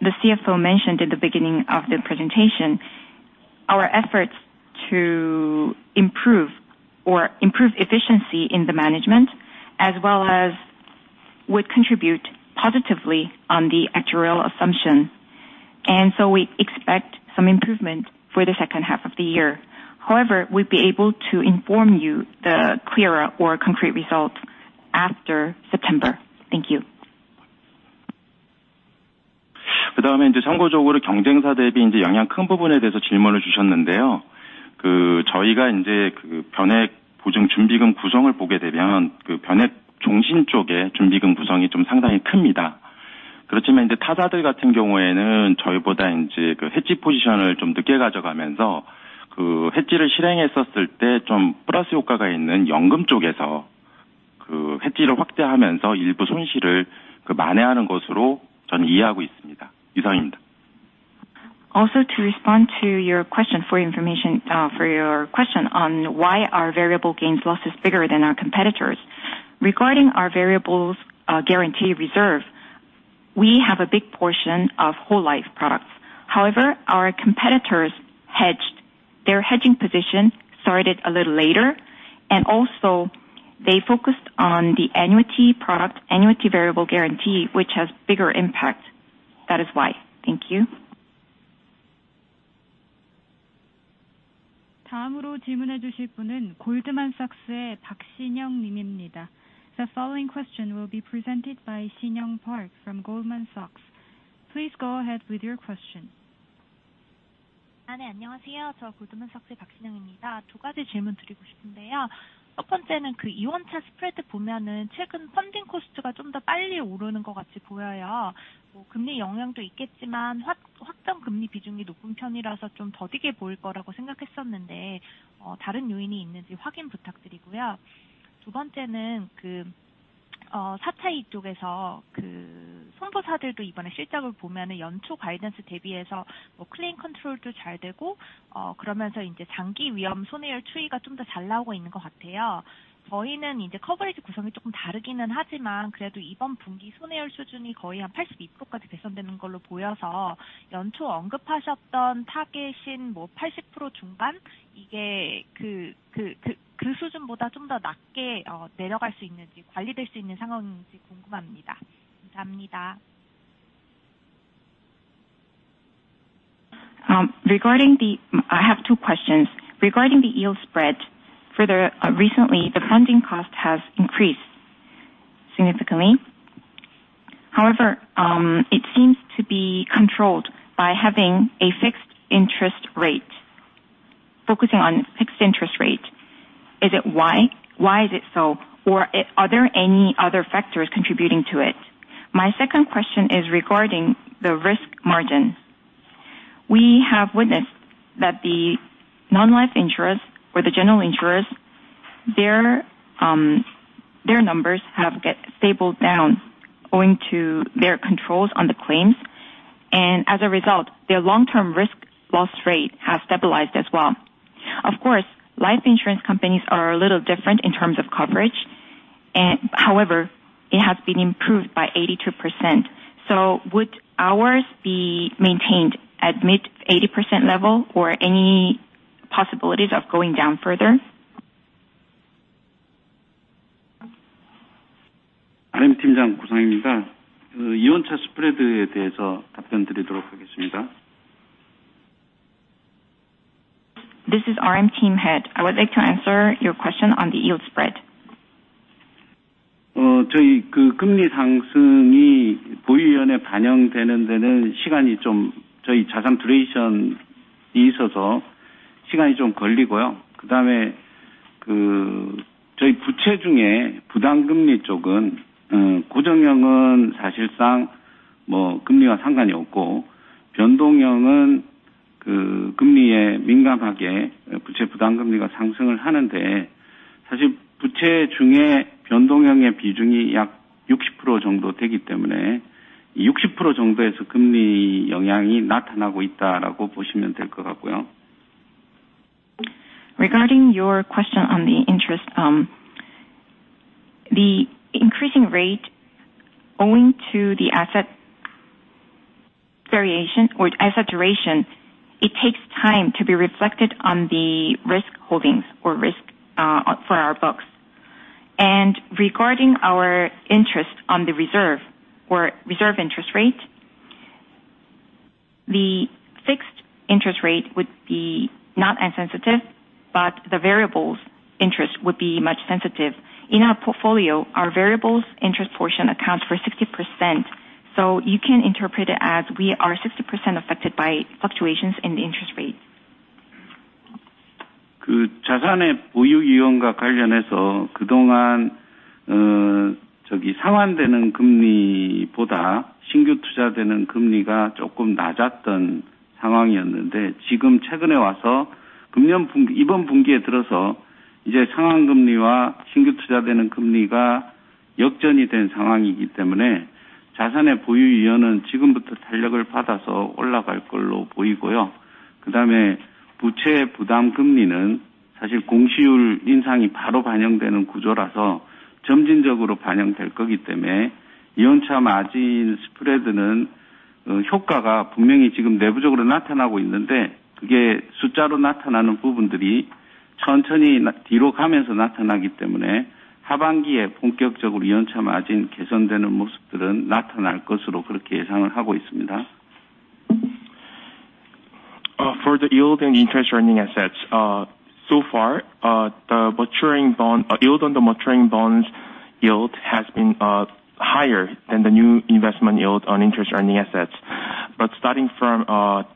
the CFO mentioned at the beginning of the presentation, our efforts to improve efficiency in the management as well as would contribute positively on the actuarial assumption. We expect some improvement for the second half of the year. However, we'd be able to inform you the clearer, more concrete result after September. Thank you. Also, to respond to your question on why our variable gains loss is bigger than our competitors. Regarding our variable guarantee reserve, we have a big portion of whole life products. However, our competitors hedged. Their hedging position started a little later, and also they focused on the annuity product, annuity variable guarantee, which has bigger impact. That is why. Thank you. The following question will be presented by Sinyoung Park from Goldman Sachs. Please go ahead with your question. Regarding, I have two questions. Regarding the yield spread, recently the funding cost has increased significantly. However, it seems to be controlled by having a fixed interest rate. Focusing on fixed interest rate, is it why? Why is it so? Or are there any other factors contributing to it? My second question is regarding the risk margin. We have witnessed that the non-life insurers or the general insurers, their numbers have gotten stable down owing to their controls on the claims, and as a result, their long-term risk loss rate has stabilized as well. Of course, life insurance companies are a little different in terms of coverage, and however, it has been improved by 82%. Would ours be maintained at mid 80% level or any possibilities of going down further? I have two questions. Regarding the yield spread, recently the funding cost has increased significantly. However, it seems to be controlled by having a fixed interest rate. Focusing on fixed interest rate, is it why? Why is it so? Or are there any other factors contributing to it? My second question is regarding the risk margin. We have witnessed that the non-life insurers or the general insurers, their numbers have get stable down owing to their controls on the claims, and as a result, their long-term risk loss rate has stabilized as well. Of course, life insurance companies are a little different in terms of coverage, and however, it has been improved by 82%. Would ours be maintained at mid 80% level or any possibilities of going down further? Regarding your question on the interest, the increasing rate owing to the asset variation or asset duration, it takes time to be reflected on the risk holdings or risk for our books. Regarding our interest on the reserve or reserve interest rate, the fixed interest rate would not be as sensitive, but the variable interest would be more sensitive. In our portfolio, our variable interest portion accounts for 60%, so you can interpret it as we are 60% affected by fluctuations in the interest rates. For the yield and interest earning assets, so far, the yield on the maturing bonds has been higher than the new investment yield on interest earning assets. Starting from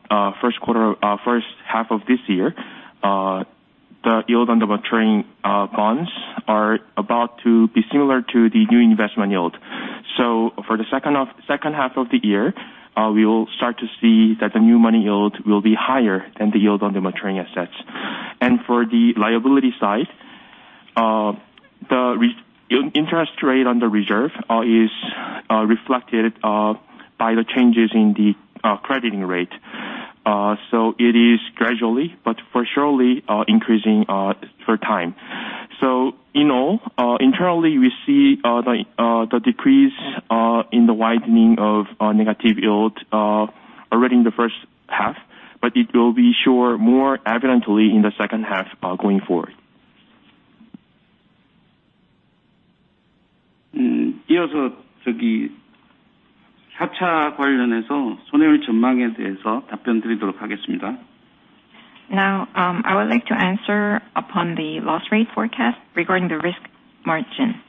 the first half of this year, the yield on the maturing bonds are about to be similar to the new investment yield. For the second half of the year, we will start to see that the new money yield will be higher than the yield on the maturing assets. For the liability side, the reinvestment rate on the reserve is reflected by the changes in the crediting rate. It is gradually but surely increasing over time. In all, internally we see the decrease in the widening of negative yield already in the first half, but it will be surely more evident in the second half going forward. Now, I would like to answer upon the loss rate forecast regarding the risk margin.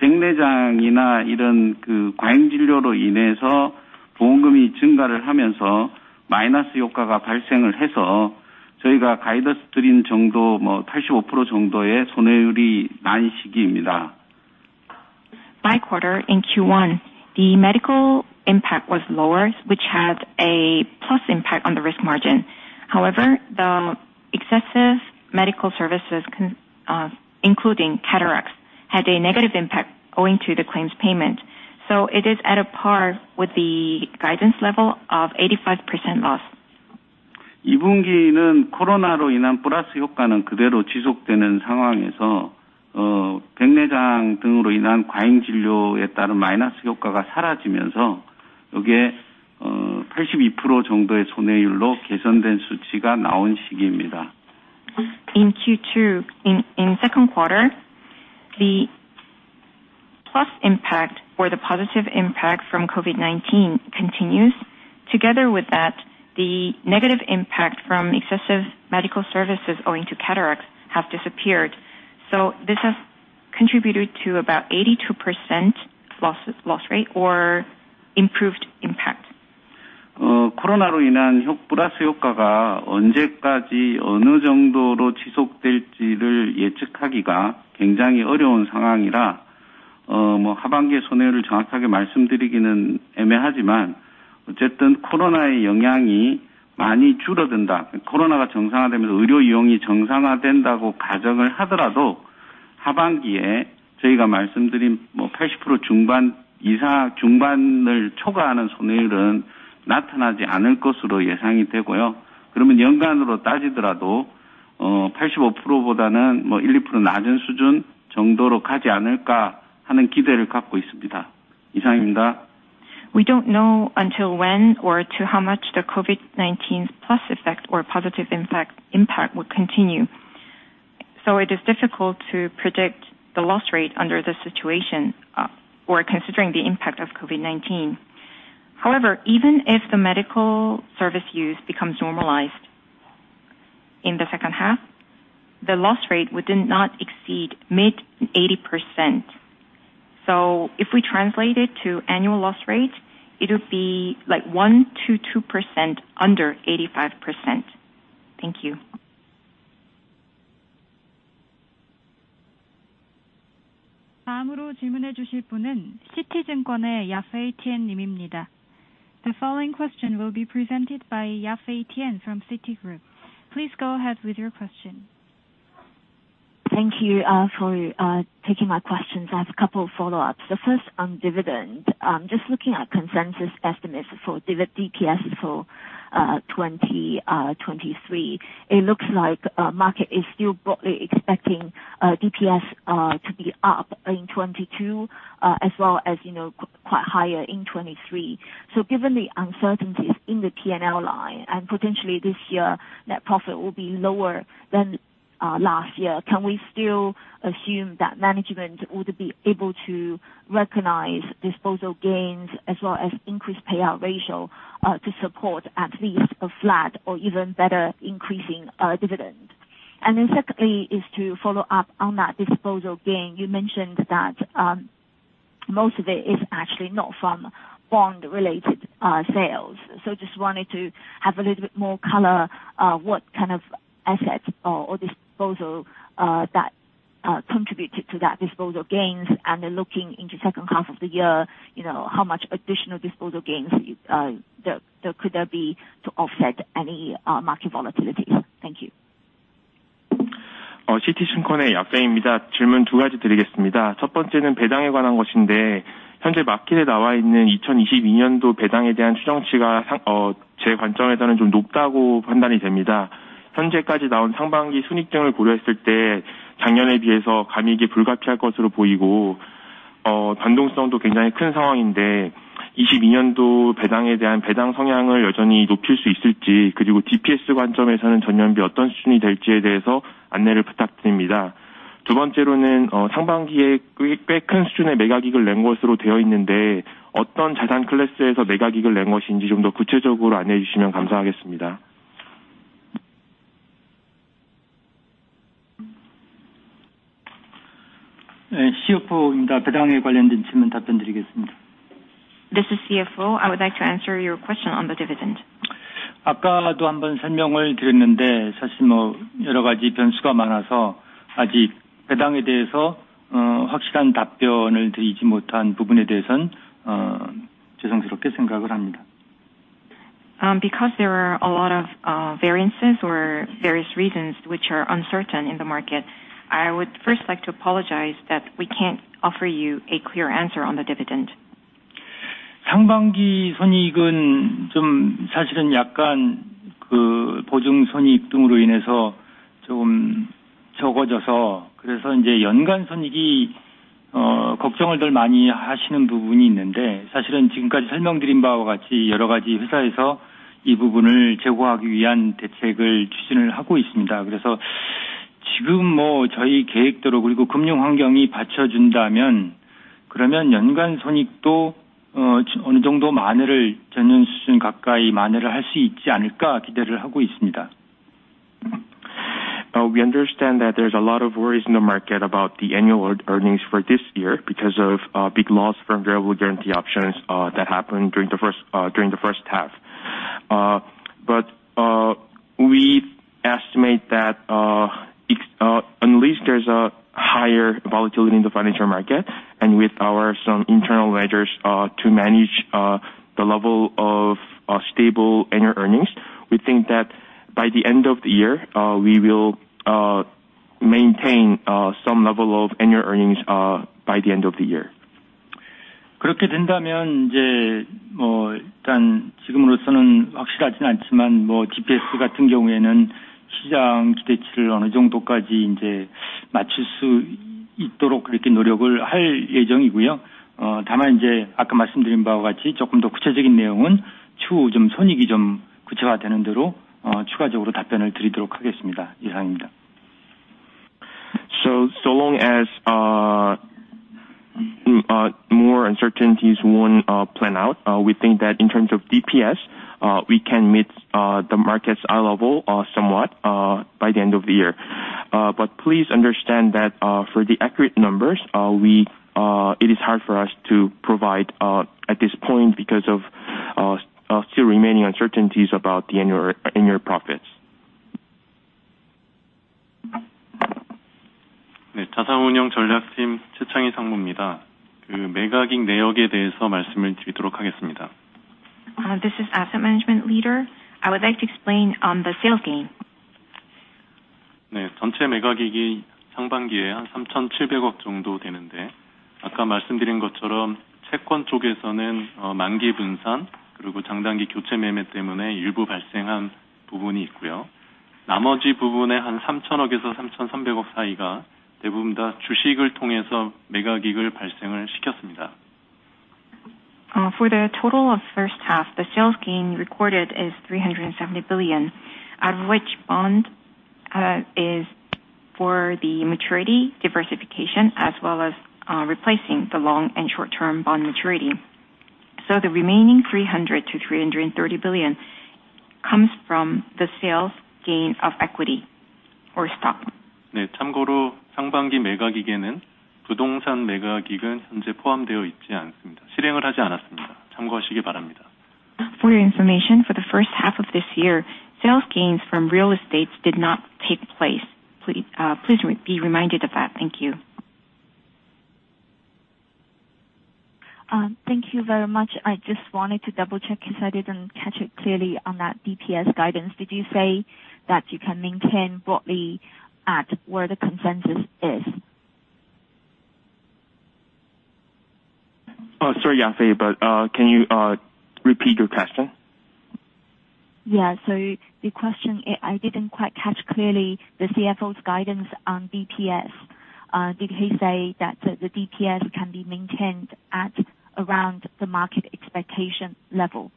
백내장이나 이런 과잉 진료로 인해서 보험금이 증가하면서 마이너스 효과가 발생해서 저희가 가이드 드린 정도, 85% 정도의 손해율이 난 시기입니다. By quarter in Q1, the medical impact was lower, which had a plus impact on the risk margin. However, the excessive medical services including cataracts had a negative impact owing to the claims payment. It is at par with the guidance level of 85% loss. 2분기는 코로나로 인한 플러스 효과는 그대로 지속되는 상황에서 백내장 등으로 인한 과잉 진료에 따른 마이너스 효과가 사라지면서 이게 82% 정도의 손해율로 개선된 수치가 나온 시기입니다. In second quarter, the plus impact or the positive impact from COVID-19 continues. Together with that, the negative impact from excessive medical services owing to cataracts have disappeared. This has contributed to about 82% losses, loss rate or improved impact. 코로나로 인한 플러스 효과가 언제까지 어느 정도로 지속될지를 예측하기가 굉장히 어려운 상황이라, 하반기에 손해율을 정확하게 말씀드리기는 애매하지만, 어쨌든 코로나의 영향이 많이 줄어든다. 코로나가 정상화되면서 의료 이용이 정상화된다고 가정을 하더라도 하반기에 저희가 말씀드린 80% 중반 이상, 중반을 초과하는 손해율은 나타나지 않을 것으로 예상이 되고요. 그러면 연간으로 따지더라도 85%보다는 1, 2% 낮은 수준 정도로 가지 않을까 하는 기대를 갖고 있습니다. 이상입니다. We don't know until when or to how much the COVID-19 plus effect or positive impact will continue. It is difficult to predict the loss rate under this situation, or considering the impact of COVID-19. However, even if the medical service use becomes normalized in the second half, the loss rate would not exceed mid-80%. If we translate it to annual loss rate, it would be like 1%-2% under 85%. Thank you. 다음으로 질문해 주실 분은 씨티증권의 야페이 티안 님입니다. The following question will be presented by Yafei Tian from Citigroup. Please go ahead with your question. Thank you for taking my questions. I have a couple of follow-ups. The first on dividend. Just looking at consensus estimates for dividend DPS for 2023, it looks like market is still broadly expecting DPS to be up in 2022 as well as, you know, quite higher in 2023. Given the uncertainties in the P&L line and potentially this year, net profit will be lower than last year. Can we still assume that management would be able to recognize disposal gains as well as increased payout ratio to support at least a flat or even better increasing dividend? Secondly, to follow up on that disposal gain. You mentioned that most of it is actually not from bond-related sales. Just wanted to have a little bit more color, what kind of assets or disposal that contributed to that disposal gains? Looking into second half of the year, you know, how much additional disposal gains there could be to offset any market volatility? Thank you. 씨티증권의 Yafei Tian입니다. 질문 두 가지 드리겠습니다. 첫 번째는 배당에 관한 것인데 현재 마켓에 나와 있는 2022년도 배당에 대한 추정치가 제 관점에서는 좀 높다고 판단이 됩니다. 현재까지 나온 상반기 순이익 등을 고려했을 때 작년에 비해서 감익이 불가피할 것으로 보이고, 변동성도 굉장히 큰 상황인데 2022년도 배당에 대한 배당 성향을 여전히 높일 수 있을지, 그리고 DPS 관점에서는 전년비 어떤 수준이 될지에 대해서 안내를 부탁드립니다. 두 번째로는, 상반기에 꽤큰 수준의 매각이익을 낸 것으로 되어 있는데, 어떤 자산 클래스에서 매각이익을 낸 것인지 좀더 구체적으로 안내해 주시면 감사하겠습니다. 네, CFO입니다. 배당에 관련된 질문 답변드리겠습니다. This is CFO. I would like to answer your question on the dividend. 아까도 한번 설명을 드렸는데, 사실 여러 가지 변수가 많아서 아직 배당에 대해서 확실한 답변을 드리지 못한 부분에 대해서는 죄송스럽게 생각을 합니다. Because there are a lot of variances or various reasons which are uncertain in the market. I would first like to apologize that we can't offer you a clear answer on the dividend. 상반기 순이익은 보증 순이익 등으로 인해서 조금 적어져서, 연간 순이익이 걱정을 더 많이 하시는 부분이 있는데, 사실은 지금까지 설명드린 바와 같이 여러 가지 회사에서 이 부분을 제고하기 위한 대책을 추진하고 있습니다. 지금 저희 계획대로, 그리고 금융환경이 받쳐준다면, 연간 순이익도 어느 정도 만회를, 전년 수준 가까이 만회를 할수 있지 않을까 기대를 하고 있습니다. We understand that there's a lot of worries in the market about the annual earnings for this year because of big loss from variable guarantee options that happened during the first half. We estimate that at least there's a higher volatility in the financial market and with some internal hedges to manage the level of stable annual earnings. We think that by the end of the year, we will maintain some level of annual earnings by the end of the year. So long as more uncertainties won't play out, we think that in terms of DPS, we can meet the market's eye level somewhat by the end of the year. Please understand that for the accurate numbers, it is hard for us to provide at this point because of still remaining uncertainties about the annual profits. This is asset management leader. I would like to explain on the sales gain. For the total of first half, the sales gain recorded is KRW 370 billion, out of which bond is for the maturity diversification as well as replacing the long and short-term bond maturity. The remaining 300 billion-330 billion comes from the sales gain of equity or stock. For your information, for the first half of this year, sales gains from real estate did not take place. Please be reminded of that. Thank you. Thank you very much. I just wanted to double-check 'cause I didn't catch it clearly on that DPS guidance. Did you say that you can maintain broadly at where the consensus is? Oh, sorry, Yafei, but can you repeat your question? Yeah. The question, I didn't quite catch clearly the CFO's guidance on DPS. Did he say that the DPS can be maintained at around the market expectation level?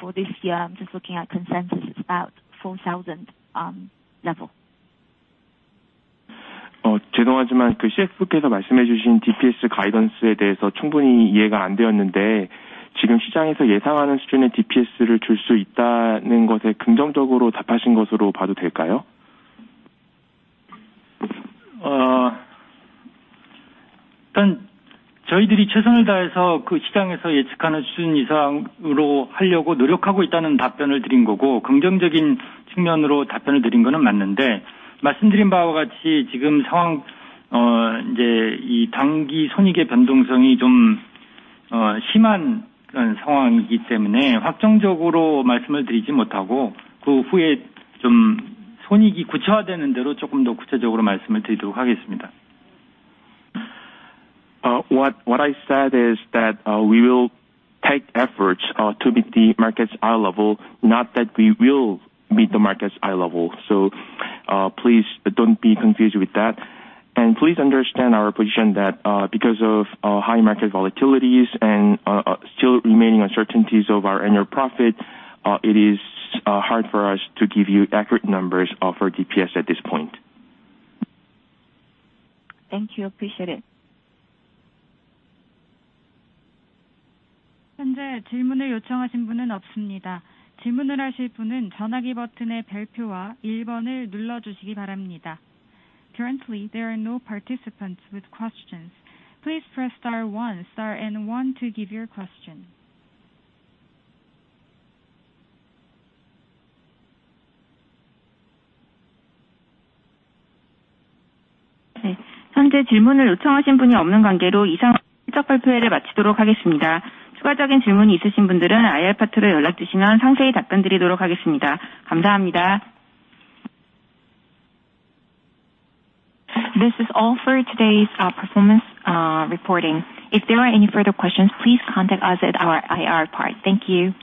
For this year, I'm just looking at consensus, it's about 4,000 level. What I said is that we will take efforts to meet the market's eye level, not that we will meet the market's eye level. Please don't be confused with that. Please understand our position that because of high market volatilities and still remaining uncertainties of our annual profit, it is hard for us to give you accurate numbers of our DPS at this point. Thank you. Appreciate it. Currently, there are no participants with questions. Please press star one star and one to give your question. This is all for today's performance reporting. If there are any further questions, please contact us at our IR part. Thank you.